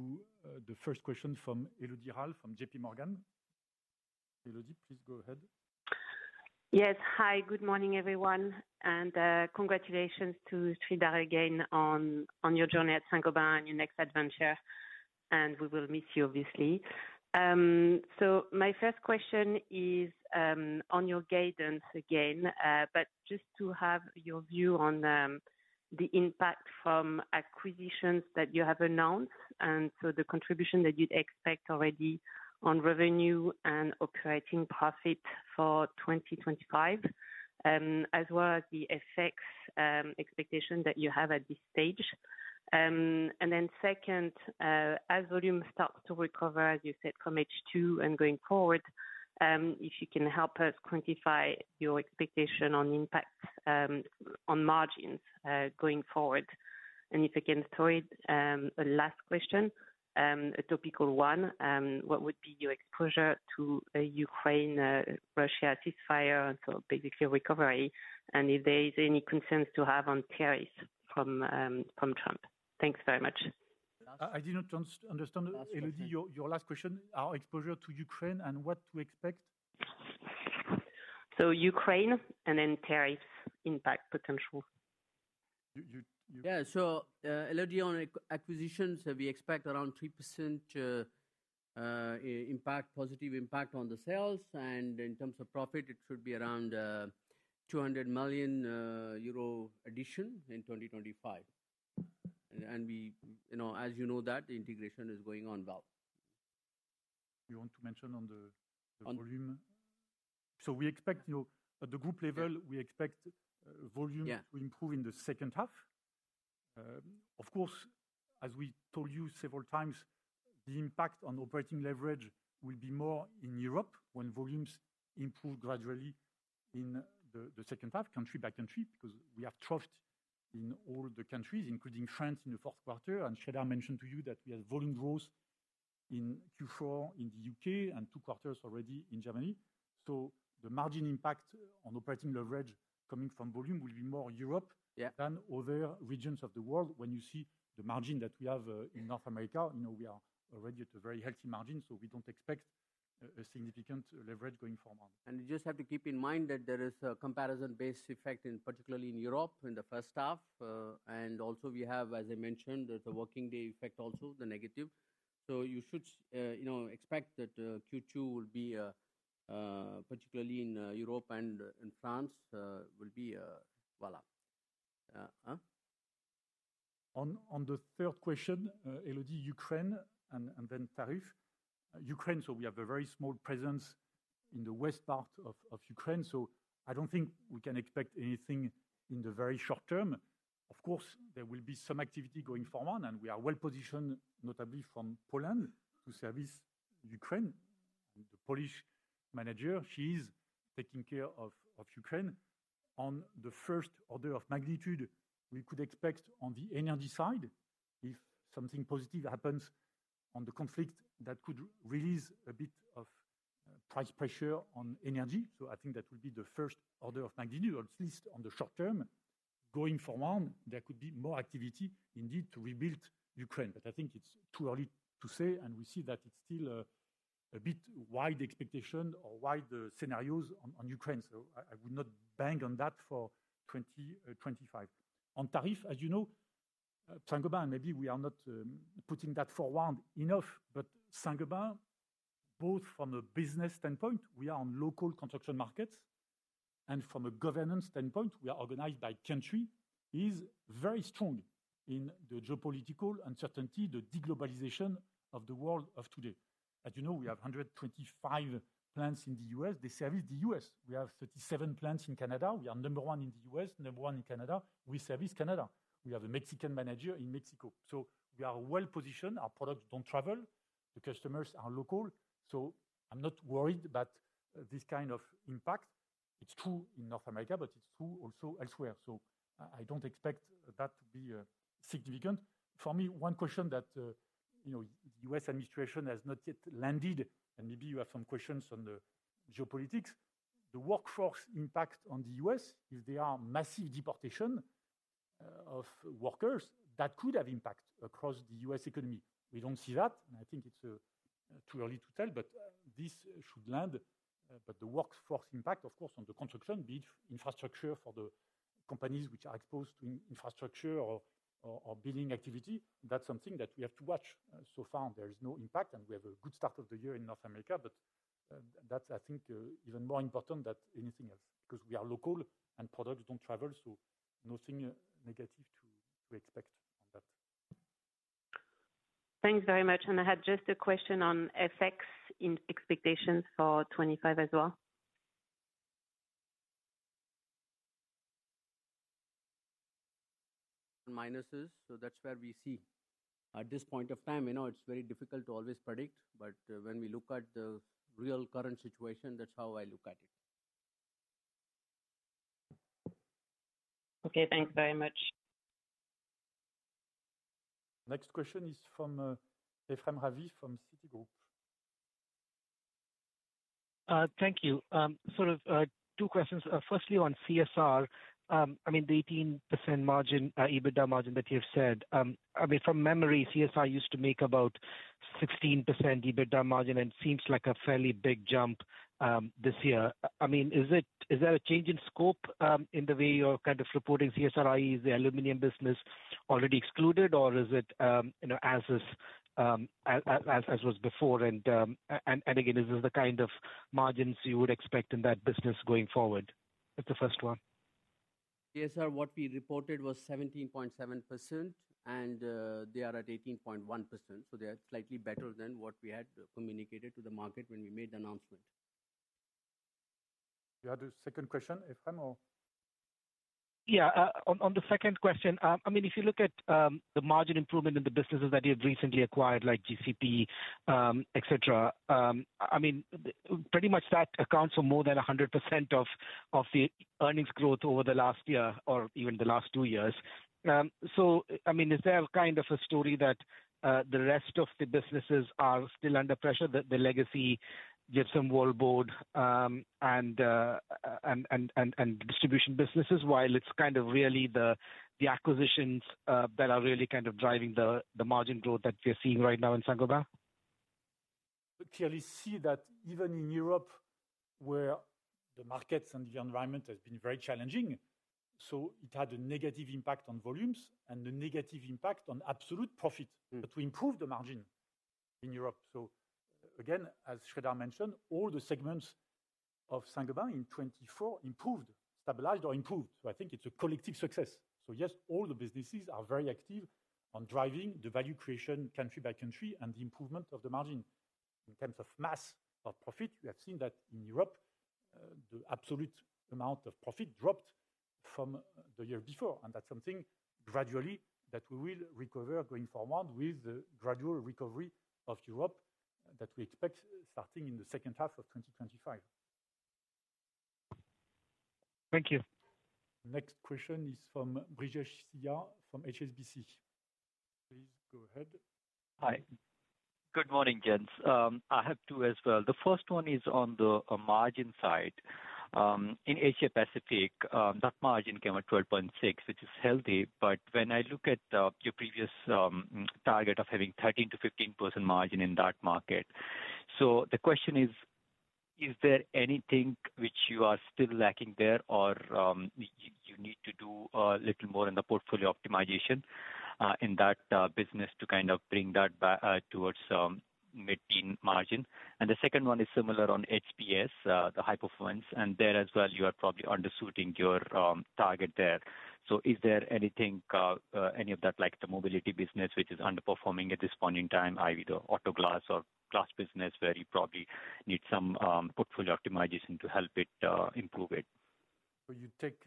the first question from Élodie Rall from J.P. Morgan. Élodie, please go ahead. Yes. Hi, good morning, everyone. And congratulations to Sreedhar again on your journey at Saint-Gobain and your next adventure. And we will miss you, obviously. So my first question is on your guidance again, but just to have your view on the impact from acquisitions that you have announced and so the contribution that you'd expect already on revenue and operating profit for 2025, as well as the effects expectation that you have at this stage. And then second, as volume starts to recover, as you said, from H2 and going forward, if you can help us quantify your expectation on impact on margins going forward. And if I can throw it, a last question, a topical one. What would be your exposure to Ukraine, Russia, ceasefire, and so basically recovery? And if there is any concerns to have on tariffs from Trump. Thanks very much. I didn't understand, Élodie, your last question, our exposure to Ukraine and what to expect? So Ukraine and then tariffs impact potential. Yeah, so Élodie, on acquisitions, we expect around 3% impact, positive impact on the sales. And in terms of profit, it should be around 200 million euro addition in 2025. And as you know, that integration is going on well. You want to mention on the volume? So we expect at the group level, we expect volume to improve in the second half. Of course, as we told you several times, the impact on operating leverage will be more in Europe when volumes improve gradually in the second half, country by country, because we have troughed in all the countries, including France in the fourth quarter. And Sreedhar mentioned to you that we have volume growth in Q4 in the U.K. and two quarters already in Germany. So the margin impact on operating leverage coming from volume will be more Europe than other regions of the world. When you see the margin that we have in North America, you know we are already at a very healthy margin, so we don't expect a significant leverage going forward. And you just have to keep in mind that there is a comparison-based effect, particularly in Europe in the first half. And also we have, as I mentioned, the working day effect also, the negative. So you should expect that Q2 will be, particularly in Europe and in France, will be voilà. On the third question, Élodie, Ukraine and then tariffs. Ukraine, so we have a very small presence in the west part of Ukraine. So I don't think we can expect anything in the very short term. Of course, there will be some activity going forward, and we are well positioned, notably from Poland, to service Ukraine. The Polish manager, she is taking care of Ukraine. On the first order of magnitude, we could expect on the energy side, if something positive happens on the conflict, that could release a bit of price pressure on energy. So I think that would be the first order of magnitude, at least on the short term. Going forward, there could be more activity indeed to rebuild Ukraine. But I think it's too early to say, and we see that it's still a bit wide expectation or wide scenarios on Ukraine. So I would not bank on that for 2025. On tariff, as you know, Saint-Gobain, maybe we are not putting that forward enough, but Saint-Gobain, both from a business standpoint, we are on local construction markets, and from a governance standpoint, we are organized by country, is very strong in the geopolitical uncertainty, the deglobalization of the world of today. As you know, we have 125 plants in the U.S. They service the U.S. We have 37 plants in Canada. We are number one in the U.S., number one in Canada. We service Canada. We have a Mexican manager in Mexico. So we are well positioned. Our products don't travel. The customers are local. So I'm not worried about this kind of impact. It's true in North America, but it's true also elsewhere. So I don't expect that to be significant. For me, one question that the U.S. administration has not yet landed, and maybe you have some questions on the geopolitics, the workforce impact on the U.S., if there are massive deportations of workers, that could have impact across the U.S. economy. We don't see that, and I think it's too early to tell, but this should land. But the workforce impact, of course, on the construction, be it infrastructure for the companies which are exposed to infrastructure or building activity, that's something that we have to watch. So far, there is no impact, and we have a good start of the year in North America, but that's, I think, even more important than anything else because we are local and products don't travel. So nothing negative to expect on that. Thanks very much. And I had just a question on effects in expectations for 2025 as well. Minuses. So that's where we see at this point of time. You know, it's very difficult to always predict, but when we look at the real current situation, that's how I look at it. Okay, thanks very much. Next question is from Ephrem Ravi from Citigroup. Thank you. Sort of two questions. Firstly, on CSR, I mean, the 18% margin, EBITDA margin that you've said, I mean, from memory, CSR used to make about 16% EBITDA margin, and it seems like a fairly big jump this year. I mean, is there a change in scope in the way you're kind of reporting CSR, i.e., the aluminum business, already excluded, or is it as it was before? And again, is this the kind of margins you would expect in that business going forward? That's the first one. CSR, what we reported was 17.7%, and they are at 18.1%. So they are slightly better than what we had communicated to the market when we made the announcement. You had a second question, Ephrem, or? Yeah, on the second question, I mean, if you look at the margin improvement in the businesses that you've recently acquired, like GCP, etc., I mean, pretty much that accounts for more than 100% of the earnings growth over the last year or even the last two years. So, I mean, is there kind of a story that the rest of the businesses are still under pressure, the legacy gypsum wallboard and distribution businesses, while it's kind of really the acquisitions that are really kind of driving the margin growth that we're seeing right now in Saint-Gobain? We clearly see that even in Europe, where the markets and the environment have been very challenging, so it had a negative impact on volumes and a negative impact on absolute profit. But we improved the margin in Europe. Again, as Sreedhar mentioned, all the segments of Saint-Gobain in 2024 improved, stabilized, or improved. I think it's a collective success. Yes, all the businesses are very active on driving the value creation country by country and the improvement of the margin. In terms of mass of profit, we have seen that in Europe, the absolute amount of profit dropped from the year before. That's something gradually that we will recover going forward with the gradual recovery of Europe that we expect starting in the second half of 2025. Thank you. Next question is from Brijesh Siya from HSBC. Please go ahead. Hi. Good morning, Gents. I have two as well. The first one is on the margin side. In Asia-Pacific, that margin came at 12.6%, which is healthy. But when I look at your previous target of having 13%-15% margin in that market, so the question is, is there anything which you are still lacking there or you need to do a little more in the portfolio optimization in that business to kind of bring that towards mid-teen margin? The second one is similar on HPS, the high performance. And there as well, you are probably undershooting your target there. So is there anything, any of that, like the Mobility business, which is underperforming at this point in time, i.e., the auto glass or glass business, where you probably need some portfolio optimization to help it improve it? You take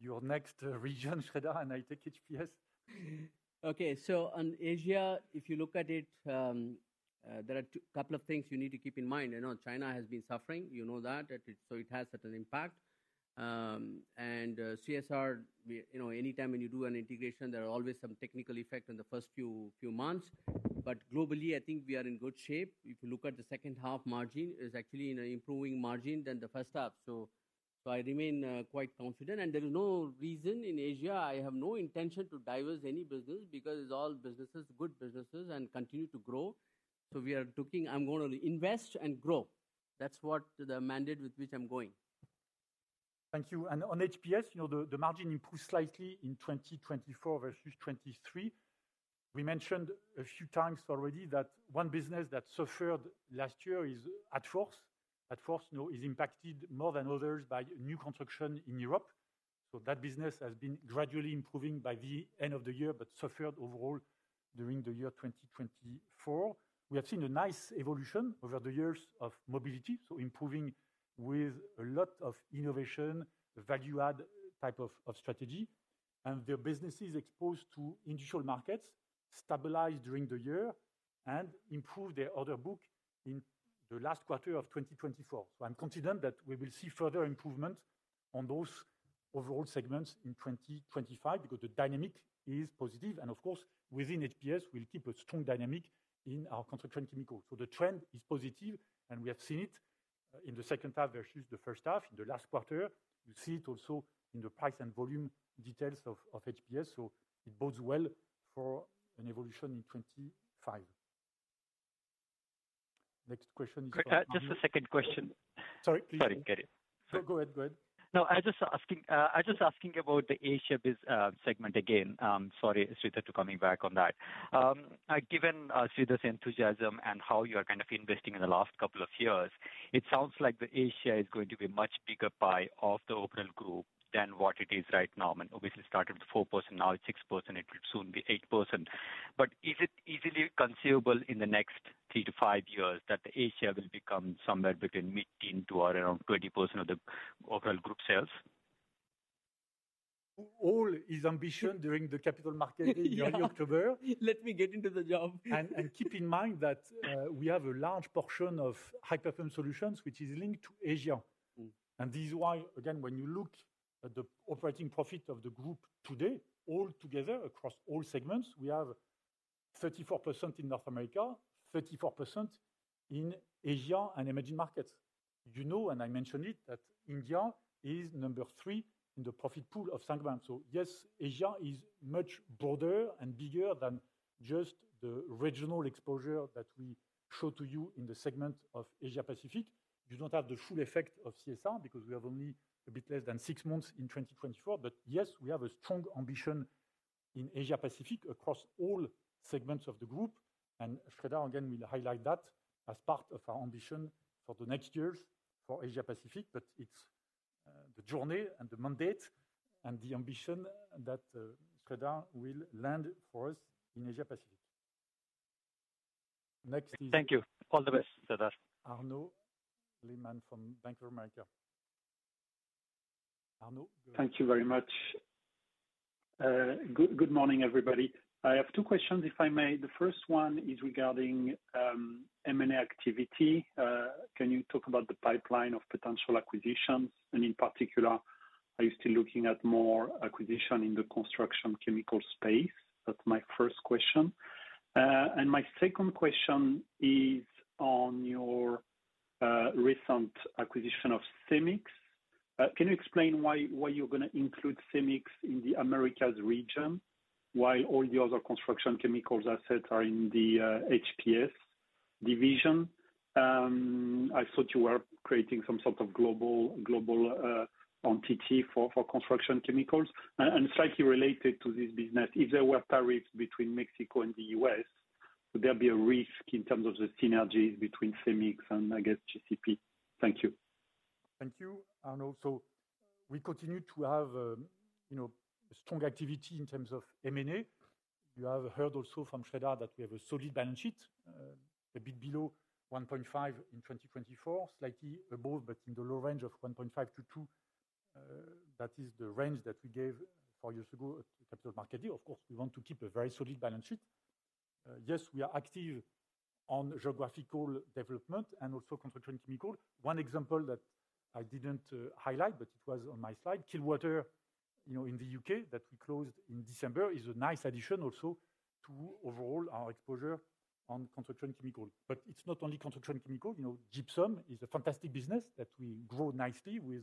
your next region, Sreedhar, and I take HPS. Okay, on Asia, if you look at it, there are a couple of things you need to keep in mind. You know, China has been suffering. You know that. So it has certain impact, and CSR, anytime when you do an integration, there are always some technical effects in the first few months, but globally, I think we are in good shape. If you look at the second half margin, it's actually an improving margin than the first half, so I remain quite confident, and there is no reason in Asia. I have no intention to divest any business because it's all businesses, good businesses, and continue to grow, so we are looking. I'm going to invest and grow. That's what the mandate with which I'm going. Thank you, and on HPS, you know, the margin improved slightly in 2024 versus 2023. We mentioned a few times already that one business that suffered last year is Adfors. Adfors is impacted more than others by new construction in Europe. That business has been gradually improving by the end of the year, but suffered overall during the year 2024. We have seen a nice evolution over the years of mobility, so improving with a lot of innovation, value-add type of strategy. Their business is exposed to industrial markets, stabilized during the year, and improved their order book in the last quarter of 2024. I'm confident that we will see further improvements on those overall segments in 2025 because the dynamic is positive. Of course, within HPS, we'll keep a strong dynamic in our construction chemicals. The trend is positive, and we have seen it in the second half versus the first half in the last quarter. You see it also in the price and volume details of HPS. It bodes well for an evolution in 2025. Next question is from Sreedhar. No, I was just asking about the Asia segment again. Sorry, Sreedhar, for coming back on that. Given Sreedhar's enthusiasm and how you are kind of investing in the last couple of years, it sounds like the Asia is going to be a much bigger pie of the overall group than what it is right now. I mean, obviously started with 4%, now it's 6%, it will soon be 8%. But is it easily conceivable in the next three to five years that the Asia will become somewhere between mid-teens to around 20% of the overall group sales? Our ambition during the Capital Market Day in early October. Let me get into the job. And keep in mind that we have a large portion of High-Performance Solutions, which is linked to Asia. And this is why, again, when you look at the operating profit of the group today, all together across all segments, we have 34% in North America, 34% in Asia and emerging markets. You know, and I mentioned it, that India is number three in the profit pool of Saint-Gobain. So yes, Asia is much broader and bigger than just the regional exposure that we showed to you in the segment of Asia-Pacific. You don't have the full effect of CSR because we have only a bit less than six months in 2024. But yes, we have a strong ambition in Asia-Pacific across all segments of the group. And Sreedhar, again, will highlight that as part of our ambition for the next years for Asia-Pacific. But it's the journey and the mandate and the ambition that Sreedhar will land for us in Asia-Pacific. Next is... Thank you. All the best, Sreedhar. Arnaud Lehmann from Bank of America. Arnaud, go ahead. Thank you very much. Good morning, everybody. I have two questions, if I may. The first one is regarding M&A activity. Can you talk about the pipeline of potential acquisitions? And in particular, are you still looking at more acquisition in the construction chemical space? That's my first question. And my second question is on your recent acquisition of Cemix. Can you explain why you're going to include Cemix in the Americas region while all the other construction chemicals assets are in the HPS division? I thought you were creating some sort of global entity for construction chemicals. And slightly related to this business, if there were tariffs between Mexico and the US, would there be a risk in terms of the synergies between Cemix and, I guess, GCP? Thank you. Thank you. Arnaud, so we continue to have strong activity in terms of M&A. You have heard also from Sreedhar that we have a solid balance sheet, a bit below 1.5 in 2024, slightly above, but in the low range of 1.5 to 2. That is the range that we gave four years ago at the capital market. Of course, we want to keep a very solid balance sheet. Yes, we are active on geographical development and also construction chemicals. One example that I didn't highlight, but it was on my slide, Kilwaughter in the U.K. that we closed in December is a nice addition also to overall our exposure on construction chemicals. But it's not only construction chemicals. Gypsum is a fantastic business that we grow nicely with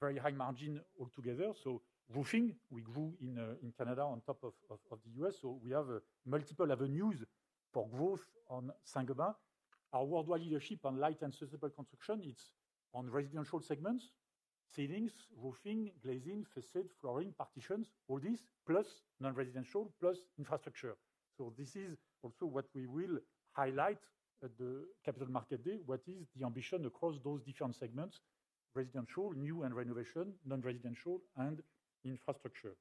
very high margin altogether. Roofing, we grew in Canada on top of the U.S. So we have multiple avenues for growth on Saint-Gobain. Our worldwide leadership on light and sustainable construction, it's on residential segments, ceilings, roofing, glazing, facade, flooring, partitions, all these, plus non-residential, plus infrastructure. So this is also what we will highlight at the Capital Market Day, what is the ambition across those different segments, residential, new and renovation, non-residential, and infrastructure.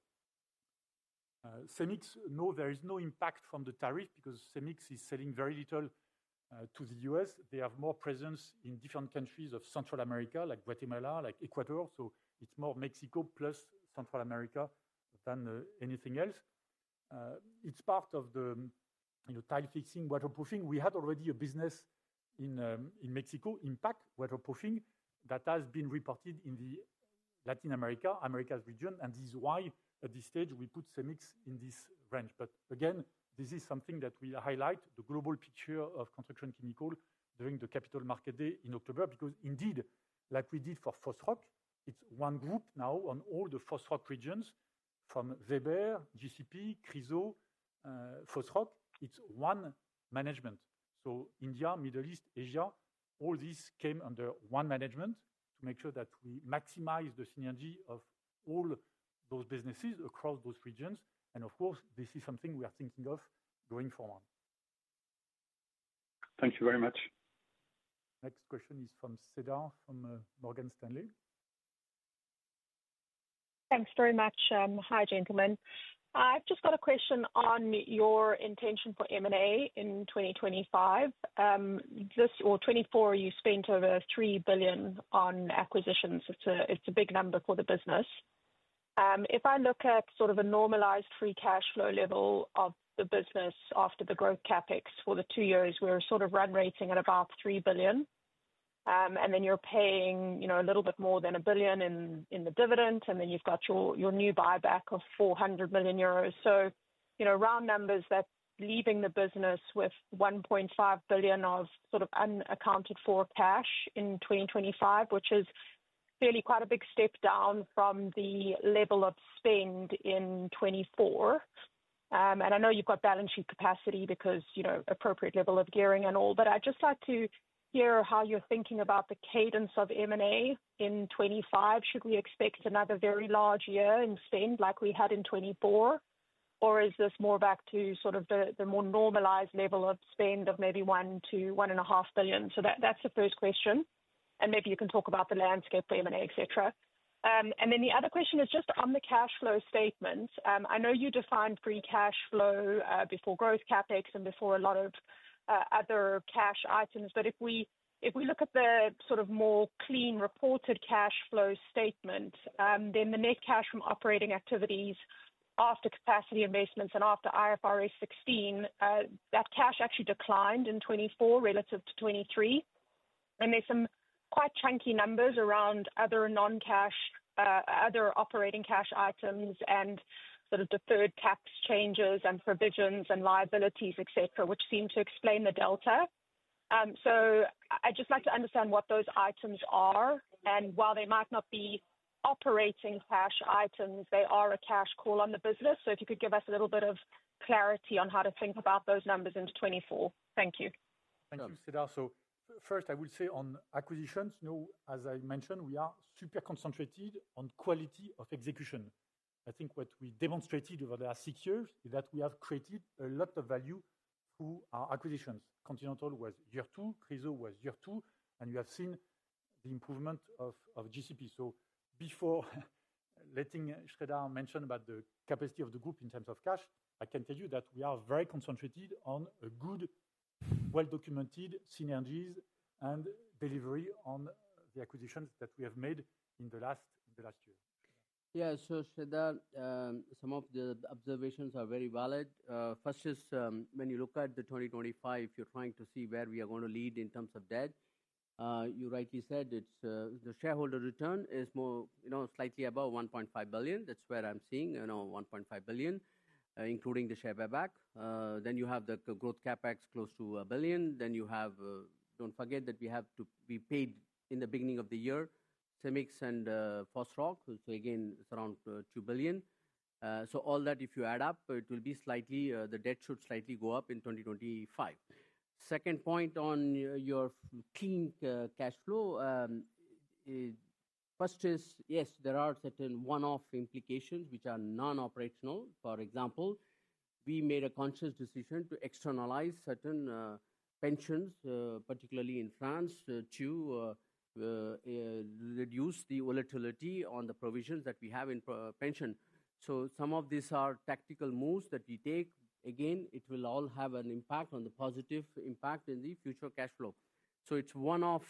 Cemix, no, there is no impact from the tariff because Cemix is selling very little to the US. They have more presence in different countries of Central America, like Guatemala, like Ecuador. So it's more Mexico plus Central America than anything else. It's part of the tile fixing, waterproofing. We had already a business in Mexico, Impac Waterproofing, that has been reported in the Latin America, America's region. And this is why at this stage we put Cemix in this range. But again, this is something that we highlight, the global picture of construction chemicals during the Capital Market Day in October because indeed, like we did for Fosroc, it's one group now on all the Fosroc regions from Weber, GCP, Chryso, Fosroc, it's one management. So India, Middle East, Asia, all these came under one management to make sure that we maximize the synergy of all those businesses across those regions. And of course, this is something we are thinking of going forward. Thank you very much. Next question is from Siddhar from Morgan Stanley. Thanks very much. Hi, gentlemen. I've just got a question on your intention for M&A in 2025. This or 2024, you spent over $3 billion on acquisitions. It's a big number for the business. If I look at sort of a normalized free cash flow level of the business after the growth CapEx for the two years, we're sort of run-rate at about $3 billion. And then you're paying a little bit more than a billion in the dividend. And then you've got your new buyback of €400 million. So round numbers that's leaving the business with $1.5 billion of sort of unaccounted for cash in 2025, which is clearly quite a big step down from the level of spend in 2024. And I know you've got balance sheet capacity because appropriate level of gearing and all. But I'd just like to hear how you're thinking about the cadence of M&A in 2025. Should we expect another very large year in spend like we had in 2024? Or is this more back to sort of the more normalized level of spend of maybe $1-$1.5 billion? So that's the first question. And maybe you can talk about the landscape for M&A, etc. And then the other question is just on the cash flow statements. I know you defined free cash flow before growth CapEx and before a lot of other cash items. But if we look at the sort of more clean reported cash flow statement, then the net cash from operating activities after capacity investments and after IFRS 16, that cash actually declined in 2024 relative to 2023. And there's some quite chunky numbers around other non-cash, other operating cash items and sort of deferred tax changes and provisions and liabilities, etc., which seem to explain the delta. So I'd just like to understand what those items are. And while they might not be operating cash items, they are a cash call on the business. So if you could give us a little bit of clarity on how to think about those numbers into 2024. Thank you. Thank you, Siddhar. So first, I would say on acquisitions, as I mentioned, we are super concentrated on quality of execution. I think what we demonstrated over the last six years is that we have created a lot of value through our acquisitions. Continental was year two, Chryso was year two, and you have seen the improvement of GCP. So before letting Sreedhar mention about the capacity of the group in terms of cash, I can tell you that we are very concentrated on good, well-documented synergies and delivery on the acquisitions that we have made in the last year. Yeah, so Sreedhar, some of the observations are very valid. First is when you look at 2025, if you're trying to see where we are going to end in terms of debt, you rightly said it's the shareholder return is slightly above $1.5 billion. That's where I'm seeing $1.5 billion, including the share buyback. Then you have the growth CapEx close to $1 billion. Then you have, don't forget that we have to pay in the beginning of the year, Cemix and Fosroc. So again, it's around $2 billion. So all that, if you add up, it will be slightly. The debt should slightly go up in 2025. Second point on your free cash flow, first is yes, there are certain one-off implications which are non-operational. For example, we made a conscious decision to externalize certain pensions, particularly in France, to reduce the volatility on the provisions that we have in pensions. Some of these are tactical moves that we take. Again, it will all have an impact on the positive impact in the future cash flow. It's one-off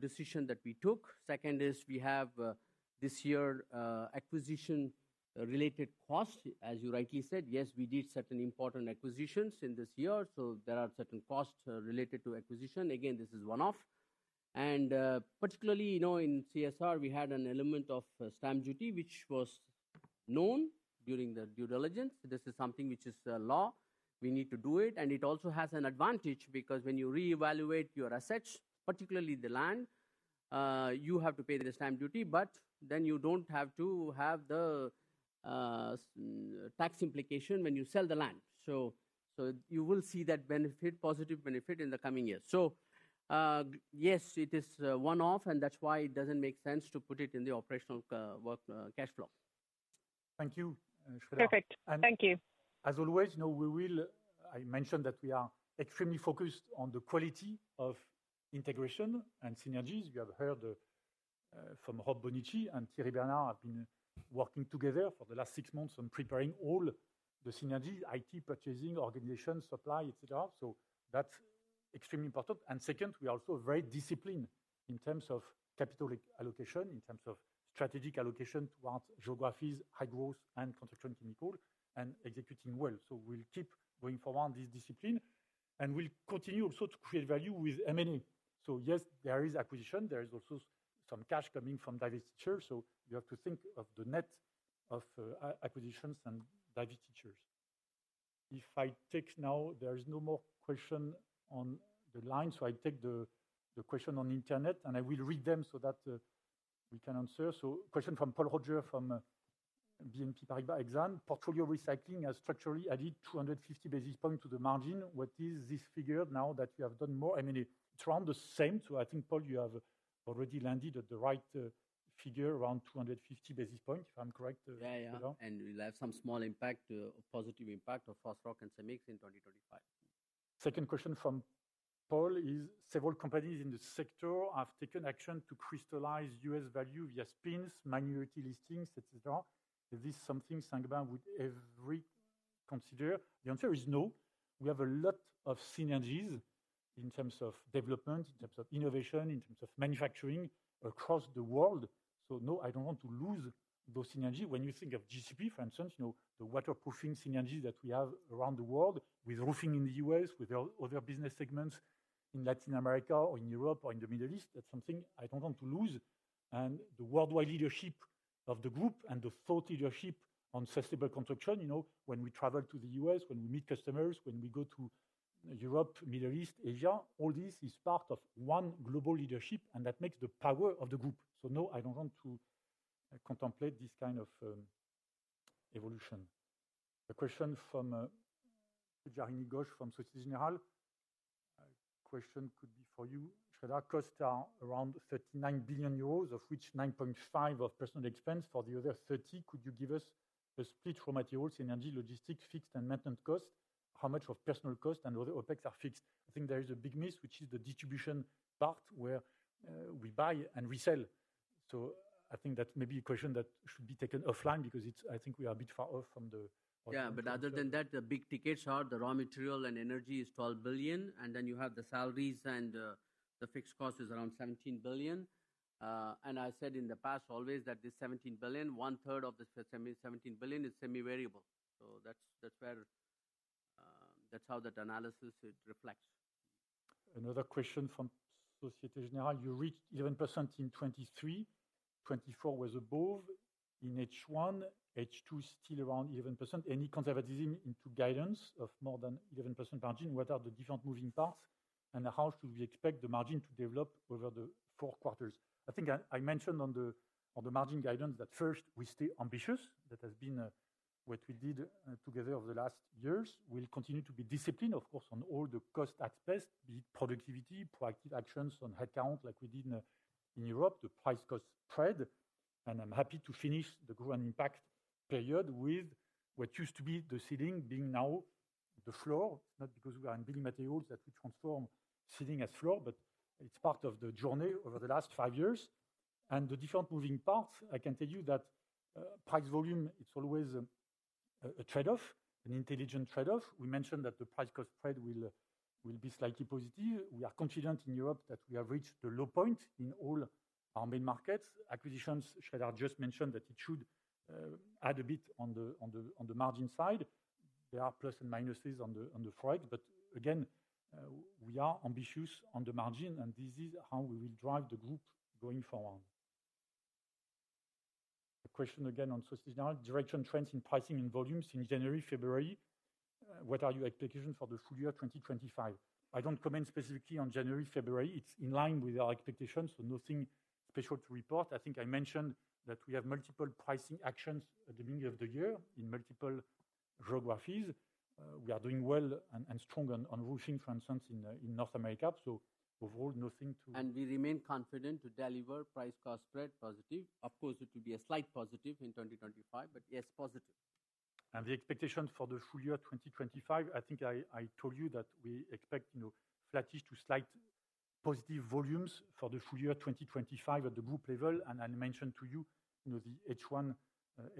decision that we took. Second is we have this year acquisition-related costs. As you rightly said, yes, we did certain important acquisitions in this year. So there are certain costs related to acquisition. Again, this is one-off. And particularly in CSR, we had an element of stamp duty, which was known during the due diligence. This is something which is a law. We need to do it. And it also has an advantage because when you reevaluate your assets, particularly the land, you have to pay the stamp duty, but then you don't have to have the tax implication when you sell the land. So you will see that benefit, positive benefit in the coming years. So yes, it is one-off, and that's why it doesn't make sense to put it in the operational working cash flow. Thank you, Sreedhar. Perfect. Thank you. As always, we will. I mentioned that we are extremely focused on the quality of integration and synergies. You have heard from Rob Bonnici and Thierry Bernard have been working together for the last six months on preparing all the synergies, IT purchasing, organization, supply, etc. So that's extremely important. And second, we are also very disciplined in terms of capital allocation, in terms of strategic allocation towards geographies, high growth, and construction chemicals, and executing well. So we'll keep going forward this discipline. And we'll continue also to create value with M&A. So yes, there is acquisition. There is also some cash coming from divestiture. So you have to think of the net of acquisitions and divestitures. If I take now, there is no more question on the line. So I take the question on the internet, and I will read them so that we can answer. Question from Paul Roger from BNP Paribas Exane. Portfolio recycling has structurally added 250 basis points to the margin. What is this figure now that you have done more? I mean, it's around the same. So I think, Paul, you have already landed at the right figure, around 250 basis points, if I'm correct. Yeah, yeah. And we'll have some small impact, positive impact of Fosroc and Cemix in 2025. Second question from Paul is several companies in the sector have taken action to crystallize US value via spins, minority listings, etc. Is this something Saint-Gobain would ever consider? The answer is no. We have a lot of synergies in terms of development, in terms of innovation, in terms of manufacturing across the world. So no, I don't want to lose those synergies. When you think of GCP, for instance, the waterproofing synergies that we have around the world with roofing in the U.S., with other business segments in Latin America or in Europe or in the Middle East, that's something I don't want to lose. And the worldwide leadership of the group and the thought leadership on sustainable construction, when we travel to the U.S., when we meet customers, when we go to Europe, Middle East, Asia, all this is part of one global leadership, and that makes the power of the group. So no, I don't want to contemplate this kind of evolution. A question from Yuri Serov from Société Générale. Question could be for you, Sreedhar. Costs are around 39 billion euros, of which 9.5 billion of personal expense. For the other 30 billion, could you give us a split for materials, energy, logistics, fixed and maintenance costs? How much of personal costs and other OPEX are fixed? I think there is a big miss, which is the distribution part where we buy and resell. So I think that's maybe a question that should be taken offline because I think we are a bit far off from the. Yeah, but other than that, the big tickets are, the raw material and energy is $12 billion. And then you have the salaries and the fixed cost is around $17 billion. And I said in the past always that this $17 billion, one-third of the $17 billion is semi-variable. So that's how that analysis reflects. Another question from Société Générale. You reached 11% in 2023. 2024 was above. In H1, H2 is still around 11%. Any conservatism into guidance of more than 11% margin? What are the different moving parts? And how should we expect the margin to develop over the four quarters? I think I mentioned on the margin guidance that first, we stay ambitious. That has been what we did together over the last years. We'll continue to be disciplined, of course, on all the cost aspects, be it productivity, proactive actions on headcount like we did in Europe, the price-cost spread. And I'm happy to finish the growth and impact period with what used to be the ceiling being now the floor. It's not because we are in building materials that we transform ceiling as floor, but it's part of the journey over the last five years. The different moving parts, I can tell you that price volume, it's always a trade-off, an intelligent trade-off. We mentioned that the price-cost spread will be slightly positive. We are confident in Europe that we have reached the low point in all our main markets. Acquisitions, Sreedhar just mentioned that it should add a bit on the margin side. There are plus and minuses on the forex. But again, we are ambitious on the margin, and this is how we will drive the group going forward. A question again from Société Générale. Direction trends in pricing and volume since January, February. What are your expectations for the full year 2025? I don't comment specifically on January, February. It's in line with our expectations, so nothing special to report. I think I mentioned that we have multiple pricing actions at the beginning of the year in multiple geographies. We are doing well and strong on roofing, for instance, in North America, so overall, nothing to, and we remain confident to deliver price-cost spread positive. Of course, it will be a slight positive in 2025, but yes, positive, and the expectation for the full year 2025, I think I told you that we expect flattish to slight positive volumes for the full year 2025 at the group level, and I mentioned to you the H1,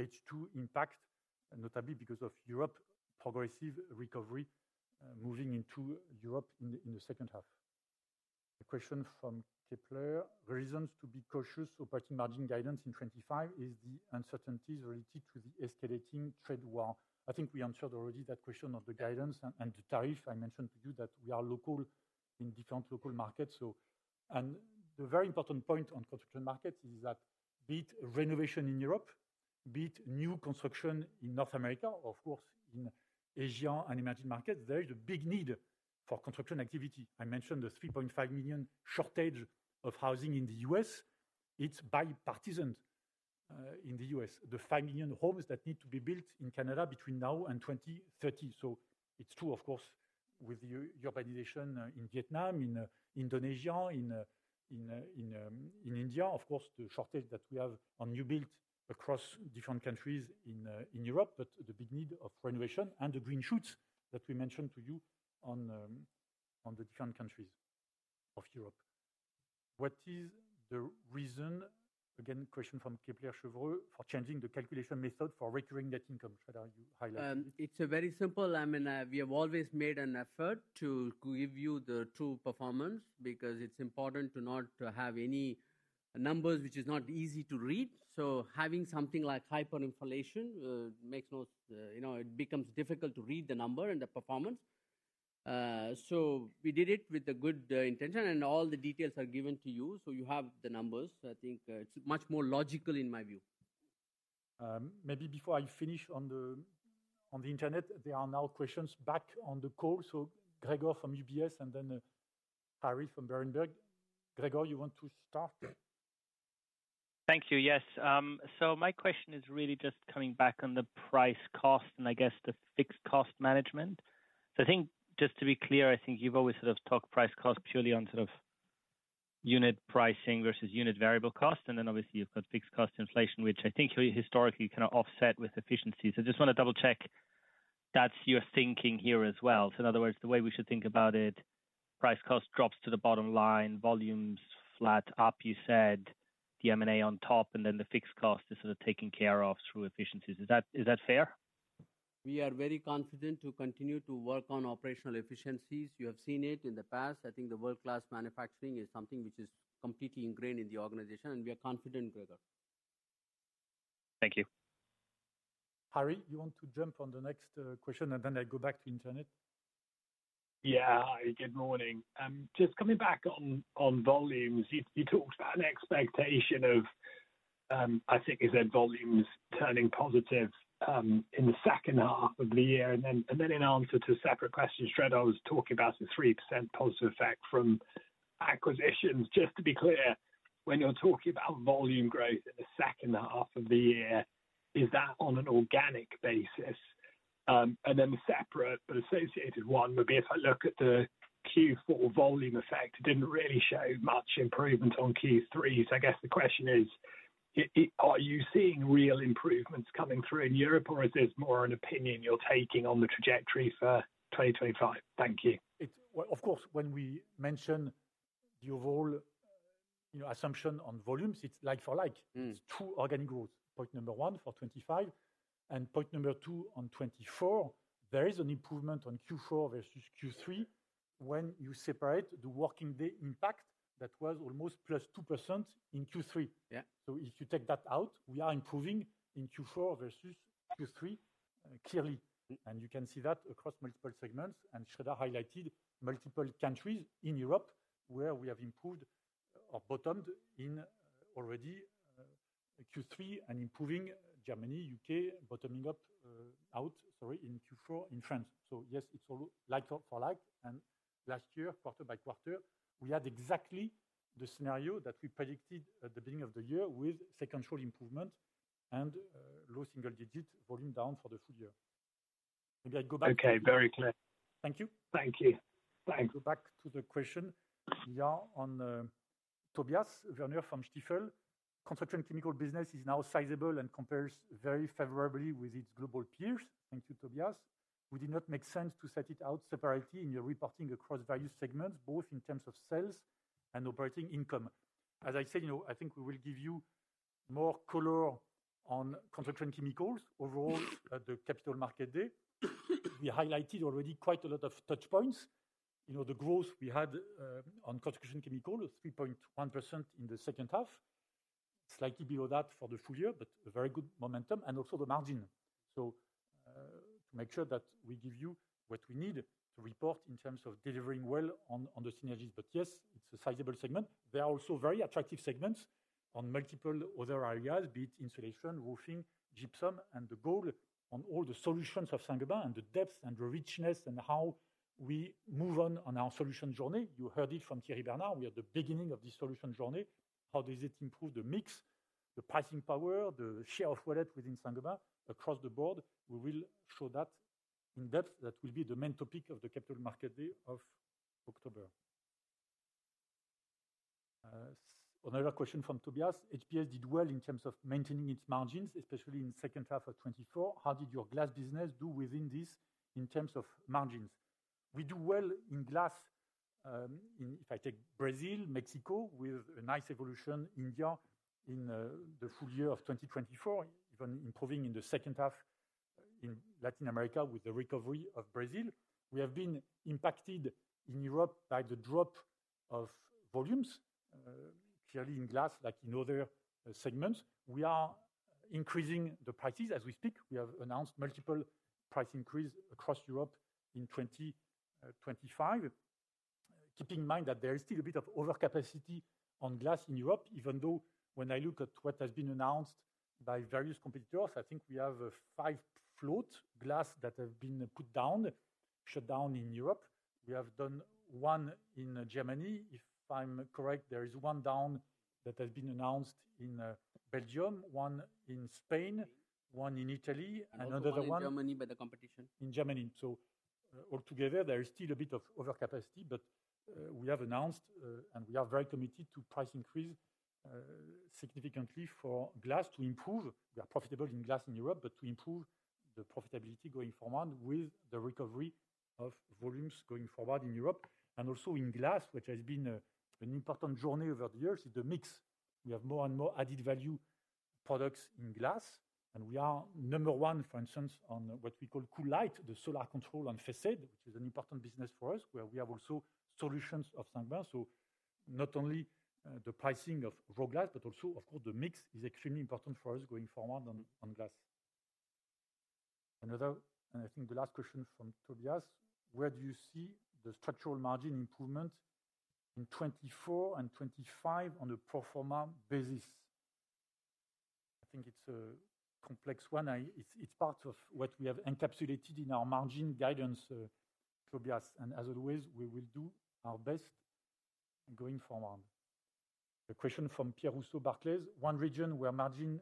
H2 impact, notably because of Europe's progressive recovery moving into Europe in the second half. A question from Kepler Cheuvreux. Reasons to be cautious operating margin guidance in 2025 is the uncertainties related to the escalating trade war. I think we answered already that question on the guidance and the tariff. I mentioned to you that we are local in different local markets. And the very important point on construction markets is that be it renovation in Europe, be it new construction in North America, or of course in Asian and emerging markets, there is a big need for construction activity. I mentioned the 3.5 million shortage of housing in the U.S. It's bipartisan in the U.S. The 5 million homes that need to be built in Canada between now and 2030. So it's true, of course, with the urbanization in Vietnam, in Indonesia, in India. Of course, the shortage that we have on new build across different countries in Europe, but the big need of renovation and the green shoots that we mentioned to you on the different countries of Europe. What is the reason, again, question from Kepler Cheuvreux for changing the calculation method for recurring net income? Sreedhar, you highlight. It's a very simple lamina. We have always made an effort to give you the true performance because it's important to not have any numbers which are not easy to read. So having something like hyperinflation makes no, it becomes difficult to read the number and the performance. So we did it with a good intention, and all the details are given to you. So you have the numbers. I think it's much more logical in my view. Maybe before I finish on the net, there are now questions back on the call. So Gregor from UBS and then Harry from Berenberg. Gregor, you want to start? Thank you. Yes. So my question is really just coming back on the price cost and I guess the fixed cost management. So I think just to be clear, I think you've always sort of talked price cost purely on sort of unit pricing versus unit variable cost. And then obviously you've got fixed cost inflation, which I think historically you kind of offset with efficiencies. I just want to double-check that's your thinking here as well. So in other words, the way we should think about it, price cost drops to the bottom line, volumes flat up, you said, the M&A on top, and then the fixed cost is sort of taken care of through efficiencies. Is that fair? We are very confident to continue to work on operational efficiencies. You have seen it in the past. I think the World Class Manufacturing is something which is completely ingrained in the organization, and we are confident, Gregor. Thank you. Harry, you want to jump on the next question, and then I go back to the internet. Yeah, good morning. Just coming back on volumes, you talked about an expectation of, I think you said volumes turning positive in the second half of the year. And then in answer to a separate question, Sreedhar was talking about the 3% positive effect from acquisitions. Just to be clear, when you're talking about volume growth in the second half of the year, is that on an organic basis? And then the separate but associated one would be if I look at the Q4 volume effect, it didn't really show much improvement on Q3. So I guess the question is, are you seeing real improvements coming through in Europe, or is this more an opinion you're taking on the trajectory for 2025? Thank you. Of course, when we mention the overall assumption on volumes, it's like for like. It's true organic growth, point number one for 2025. And point number two on 2024, there is an improvement on Q4 versus Q3 when you separate the working day impact that was almost plus 2% in Q3. So if you take that out, we are improving in Q4 versus Q3 clearly. And you can see that across multiple segments. And Sreedhar highlighted multiple countries in Europe where we have improved or bottomed in already Q3 and improving Germany, U.K., bottoming out, sorry, in Q4 in France. So yes, it's all like for like. And last year, quarter by quarter, we had exactly the scenario that we predicted at the beginning of the year with second-half improvement and low single-digit volume down for the full year. Maybe I go back to. Okay, very clear. Thank you. Thank you. Thanks. Back to the question. We are on Tobias Woerner from Stifel. Construction chemical business is now sizable and compares very favorably with its global peers. Thank you, Tobias. We did not make sense to set it out separately in your reporting across various segments, both in terms of sales and operating income. As I said, I think we will give you more color on construction chemicals overall at the Capital Market Day. We highlighted already quite a lot of touchpoints. The growth we had on construction chemicals, 3.1% in the second half, slightly below that for the full year, but a very good momentum and also the margin. So to make sure that we give you what we need to report in terms of delivering well on the synergies. But yes, it's a sizable segment. There are also very attractive segments on multiple other areas, be it insulation, roofing, gypsum, and the gold on all the solutions of Saint-Gobain and the depth and the richness and how we move on our solution journey. You heard it from Thierry Bernard. We are at the beginning of this solution journey. How does it improve the mix, the pricing power, the share of wallet within Saint-Gobain across the board? We will show that in depth. That will be the main topic of the Capital Market Day of October. Another question from Tobias. HPS did well in terms of maintaining its margins, especially in the second half of 2024. How did your glass business do within this in terms of margins? We do well in glass if I take Brazil, Mexico with a nice evolution, India in the full year of 2024, even improving in the second half in Latin America with the recovery of Brazil. We have been impacted in Europe by the drop of volumes, clearly in glass like in other segments. We are increasing the prices as we speak. We have announced multiple price increases across Europe in 2025, keeping in mind that there is still a bit of overcapacity on glass in Europe, even though when I look at what has been announced by various competitors, I think we have five float glass that have been put down, shut down in Europe. We have done one in Germany. If I'm correct, there is one down that has been announced in Belgium, one in Spain, one in Italy, and another one in Germany, but the competition. In Germany. So altogether, there is still a bit of overcapacity, but we have announced and we are very committed to price increase significantly for glass to improve. We are profitable in glass in Europe, but to improve the profitability going forward with the recovery of volumes going forward in Europe. And also in glass, which has been an important journey over the years, is the mix. We have more and more added value products in glass. And we are number one, for instance, on what we call Cool-Lite, the solar control on facades, which is an important business for us, where we have also solutions of Saint-Gobain. So not only the pricing of raw glass, but also, of course, the mix is extremely important for us going forward on glass. Another, and I think the last question from Tobias. Where do you see the structural margin improvement in 2024 and 2025 on a proforma basis? I think it's a complex one. It's part of what we have encapsulated in our margin guidance, Tobias. And as always, we will do our best going forward. A question from Pierre Rousseau, Barclays. One region where margin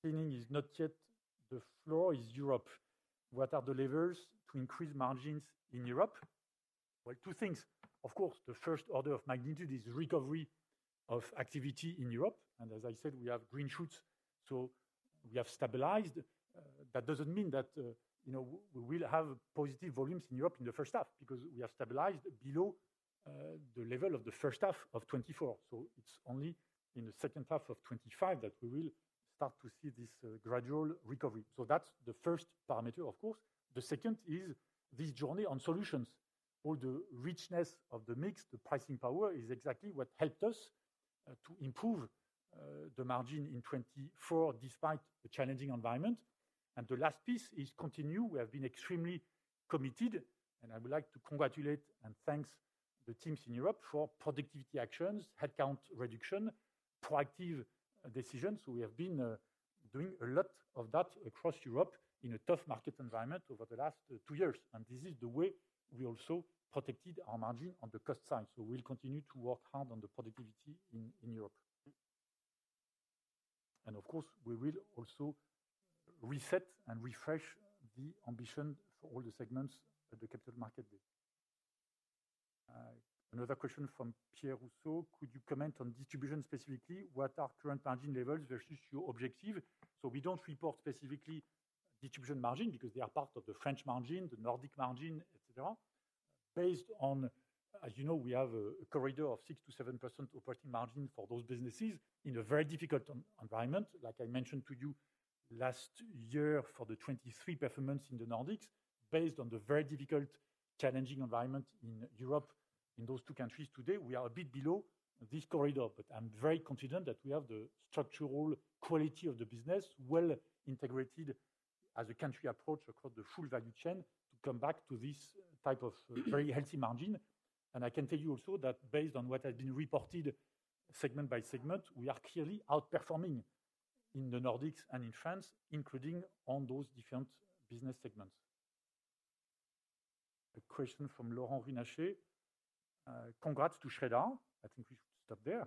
cleaning is not yet the floor is Europe. What are the levers to increase margins in Europe? Two things. Of course, the first order of magnitude is recovery of activity in Europe. And as I said, we have green shoots. So we have stabilized. That doesn't mean that we will have positive volumes in Europe in the first half because we have stabilized below the level of the first half of 2024. So it's only in the second half of 2025 that we will start to see this gradual recovery. So that's the first parameter, of course. The second is this journey on solutions. All the richness of the mix, the pricing power is exactly what helped us to improve the margin in 2024 despite the challenging environment. And the last piece is continue. We have been extremely committed, and I would like to congratulate and thanks the teams in Europe for productivity actions, headcount reduction, proactive decisions. So we have been doing a lot of that across Europe in a tough market environment over the last two years. And this is the way we also protected our margin on the cost side. So we will continue to work hard on the productivity in Europe. And of course, we will also reset and refresh the ambition for all the segments at the Capital Market Day. Another question from Pierre Rousseau. Could you comment on distribution specifically? What are current margin levels versus your objective? So we don't report specifically distribution margin because they are part of the French margin, the Nordic margin, etc. Based on, as you know, we have a corridor of 6%-7% operating margin for those businesses in a very difficult environment. Like I mentioned to you last year for the 2023 performance in the Nordics, based on the very difficult, challenging environment in Europe, in those two countries today, we are a bit below this corridor. But I'm very confident that we have the structural quality of the business well integrated as a country approach across the full value chain to come back to this type of very healthy margin. And I can tell you also that based on what has been reported segment by segment, we are clearly outperforming in the Nordics and in France, including on those different business segments. A question from Laurent Guillot. Congrats to Sreedhar. I think we should stop there.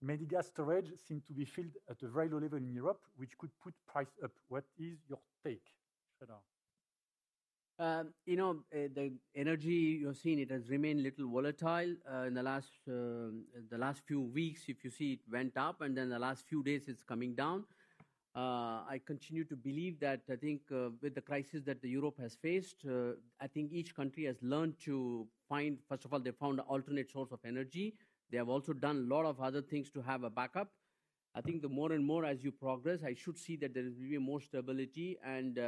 Natural gas storage seemed to be filled at a very low level in Europe, which could put price up. What is your take, Sreedhar? You know, the energy you're seeing, it has remained a little volatile in the last few weeks. If you see, it went up, and then the last few days, it's coming down. I continue to believe that I think with the crisis that Europe has faced, I think each country has learned to find, first of all, they found an alternate source of energy. They have also done a lot of other things to have a backup. I think the more and more as you progress, I should see that there will be more stability and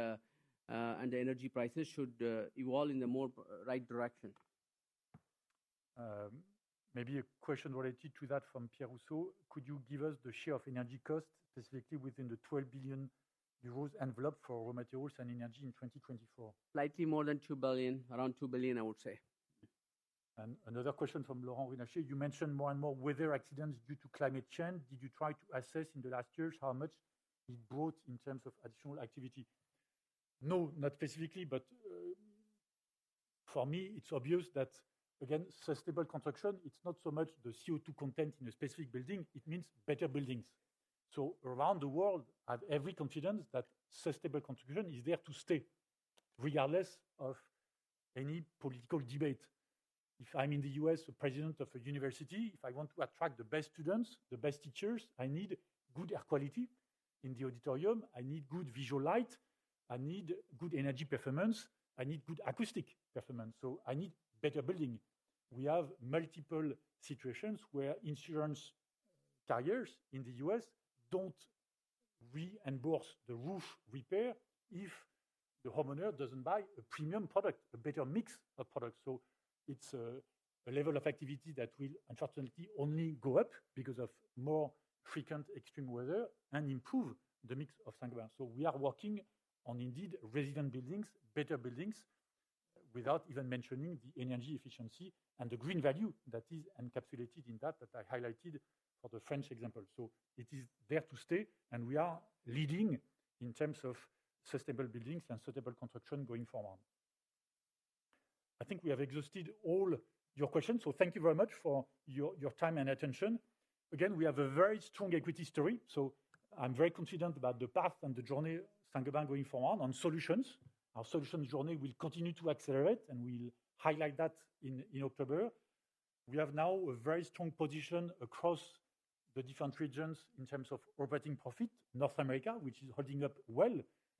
the energy prices should evolve in the more right direction. Maybe a question related to that from Pierre Rousseau. Could you give us the share of energy cost specifically within the 12 billion euros envelope for raw materials and energy in 2024? Slightly more than 2 billion, around 2 billion, I would say. Another question from Laurent Guillot. You mentioned more and more weather accidents due to climate change. Did you try to assess in the last years how much it brought in terms of additional activity? No, not specifically, but for me, it's obvious that, again, sustainable construction, it's not so much the CO2 content in a specific building. It means better buildings. So around the world, I have every confidence that sustainable construction is there to stay regardless of any political debate. If I'm in the U.S., a president of a university, if I want to attract the best students, the best teachers, I need good air quality in the auditorium. I need good visual light. I need good energy performance. I need good acoustic performance. So I need better building. We have multiple situations where insurance carriers in the U.S. don't reimburse the roof repair if the homeowner doesn't buy a premium product, a better mix of products. So it's a level of activity that will unfortunately only go up because of more frequent extreme weather and improve the mix of Saint-Gobain. So, we are working on indeed residential buildings, better buildings, without even mentioning the energy efficiency and the green value that is encapsulated in that that I highlighted for the French example. So it is there to stay, and we are leading in terms of sustainable buildings and sustainable construction going forward. I think we have exhausted all your questions. So thank you very much for your time and attention. Again, we have a very strong equity story. So I'm very confident about the path and the journey Saint-Gobain going forward on solutions. Our solutions journey will continue to accelerate, and we'll highlight that in October. We have now a very strong position across the different regions in terms of operating profit. North America, which is holding up well.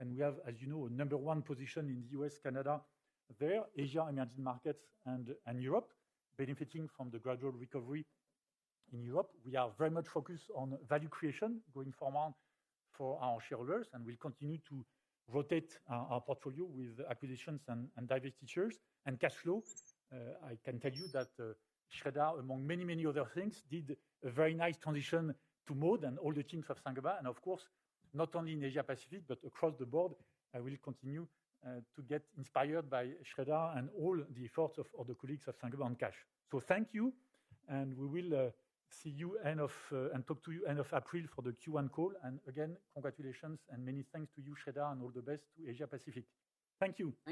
We have, as you know, a number one position in the U.S., Canada, there, Asia, emerging markets, and Europe, benefiting from the gradual recovery in Europe. We are very much focused on value creation going forward for our shareholders, and we'll continue to rotate our portfolio with acquisitions and divestitures and cash flow. I can tell you that Sreedhar, among many, many other things, did a very nice transition to Maud and all the teams of Saint-Gobain. Of course, not only in Asia-Pacific, but across the board, I will continue to get inspired by Sreedhar and all the efforts of all the colleagues of Saint-Gobain on cash. Thank you, and we will see you end of the year and talk to you end of April for the Q1 call. Again, congratulations and many thanks to you, Sreedhar, and all the best to Asia-Pacific. Thank you.